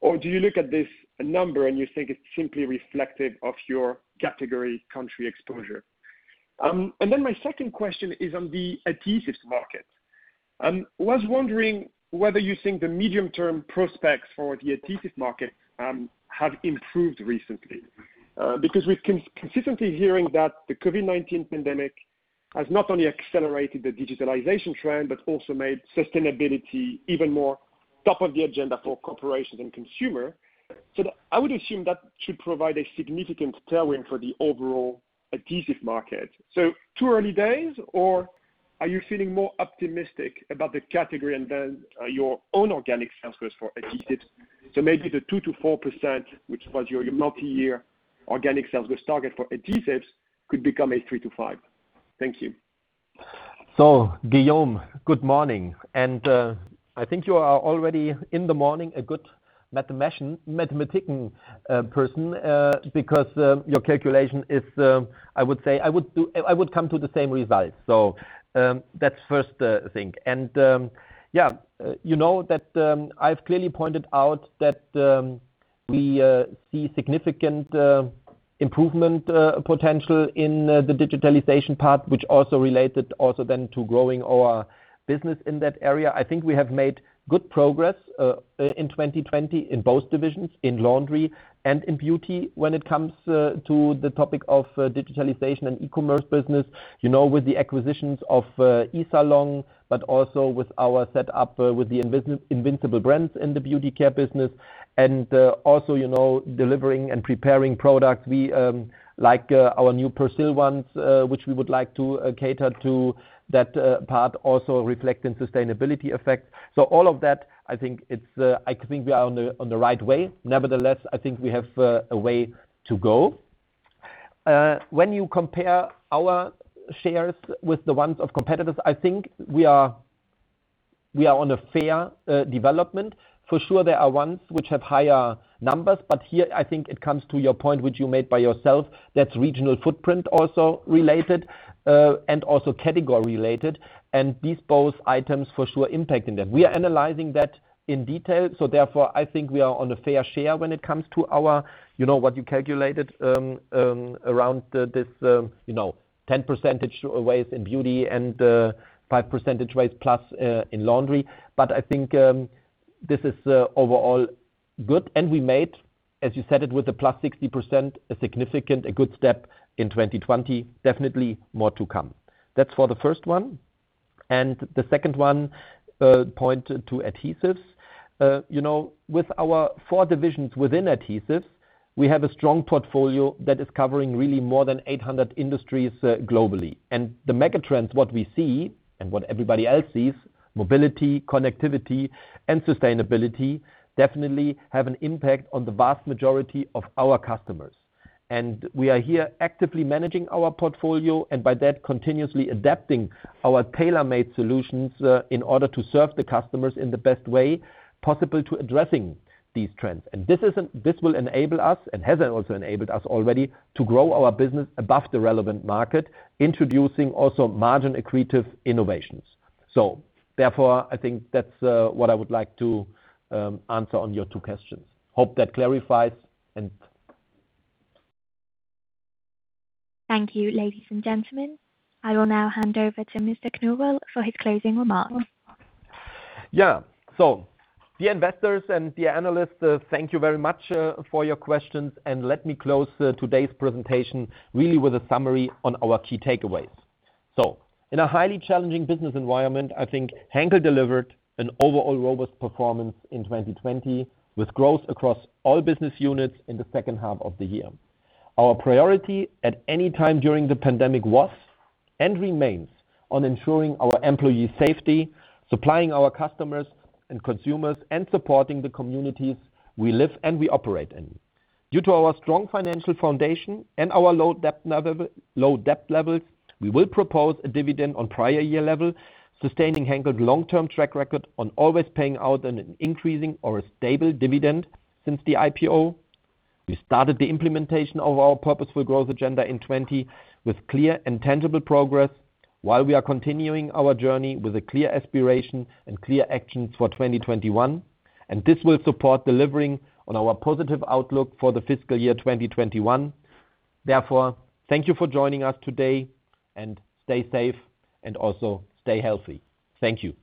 Or do you look at this number and you think it's simply reflective of your category country exposure? Then my second question is on the adhesives market. I was wondering whether you think the medium-term prospects for the adhesives market have improved recently. Because we're consistently hearing that the COVID-19 pandemic has not only accelerated the digitalization trend, but also made sustainability even more top of the agenda for corporations and consumer. I would assume that should provide a significant tailwind for the overall adhesive market. Too early days, or are you feeling more optimistic about the category and then your own organic sales growth for adhesives? Maybe the 2%-4%, which was your multi-year organic sales growth target for adhesives, could become a 3%-5%. Thank you.
Guillaume, good morning. I think you are already in the morning a good mathematician person, because your calculation is, I would say I would come to the same result. That's first thing. Yeah. You know that I've clearly pointed out that we see significant improvement potential in the digitalization part, which also related also then to growing our business in that area. I think we have made good progress in 2020 in both divisions, in laundry and in beauty when it comes to the topic of digitalization and e-commerce business. With the acquisitions of eSalon, but also with our set up with the Invincible Brands in the Beauty Care business. Also delivering and preparing products like our new Persil ones, which we would like to cater to that part also reflect in sustainability effect. All of that, I think we are on the right way. Nevertheless, I think we have a way to go. When you compare our shares with the ones of competitors, I think we are on a fair development. For sure there are ones which have higher numbers, but here, I think it comes to your point, which you made by yourself, that's regional footprint also related, and also category related. These both items for sure impact in that. We are analyzing that in detail. Therefore, I think we are on a fair share when it comes to what you calculated around this 10 percentage points in Beauty Care and 5 percentage points plus in Laundry & Home Care. I think this is overall good and we made, as you said it, with the +60%, a significant, a good step in 2020, definitely more to come. That's for the first one. The second one, point to Adhesive. With our four divisions within Adhesive, we have a strong portfolio that is covering really more than 800 industries globally. The mega trends, what we see and what everybody else sees, mobility, connectivity and sustainability, definitely have an impact on the vast majority of our customers. We are here actively managing our portfolio, and by that, continuously adapting our tailor-made solutions, in order to serve the customers in the best way possible to addressing these trends. This will enable us, and has also enabled us already, to grow our business above the relevant market, introducing also margin-accretive innovations. Therefore, I think that's what I would like to answer on your two questions. Hope that clarifies.
Thank you, ladies and gentlemen. I will now hand over to Mr. Knobel for his closing remarks.
Dear investors and dear analysts, thank you very much for your questions, and let me close today's presentation really with a summary on our key takeaways. In a highly challenging business environment, I think Henkel delivered an overall robust performance in 2020 with growth across all business units in the second half of the year. Our priority at any time during the pandemic was, and remains, on ensuring our employees' safety, supplying our customers and consumers, and supporting the communities we live and we operate in. Due to our strong financial foundation and our low debt levels, we will propose a dividend on prior year level, sustaining Henkel's long-term track record on always paying out an increasing or a stable dividend since the IPO. We started the implementation of our Purposeful Growth agenda in 2020 with clear and tangible progress while we are continuing our journey with a clear aspiration and clear actions for 2021, and this will support delivering on our positive outlook for the fiscal year 2021. Therefore, thank you for joining us today, and stay safe and also stay healthy. Thank you.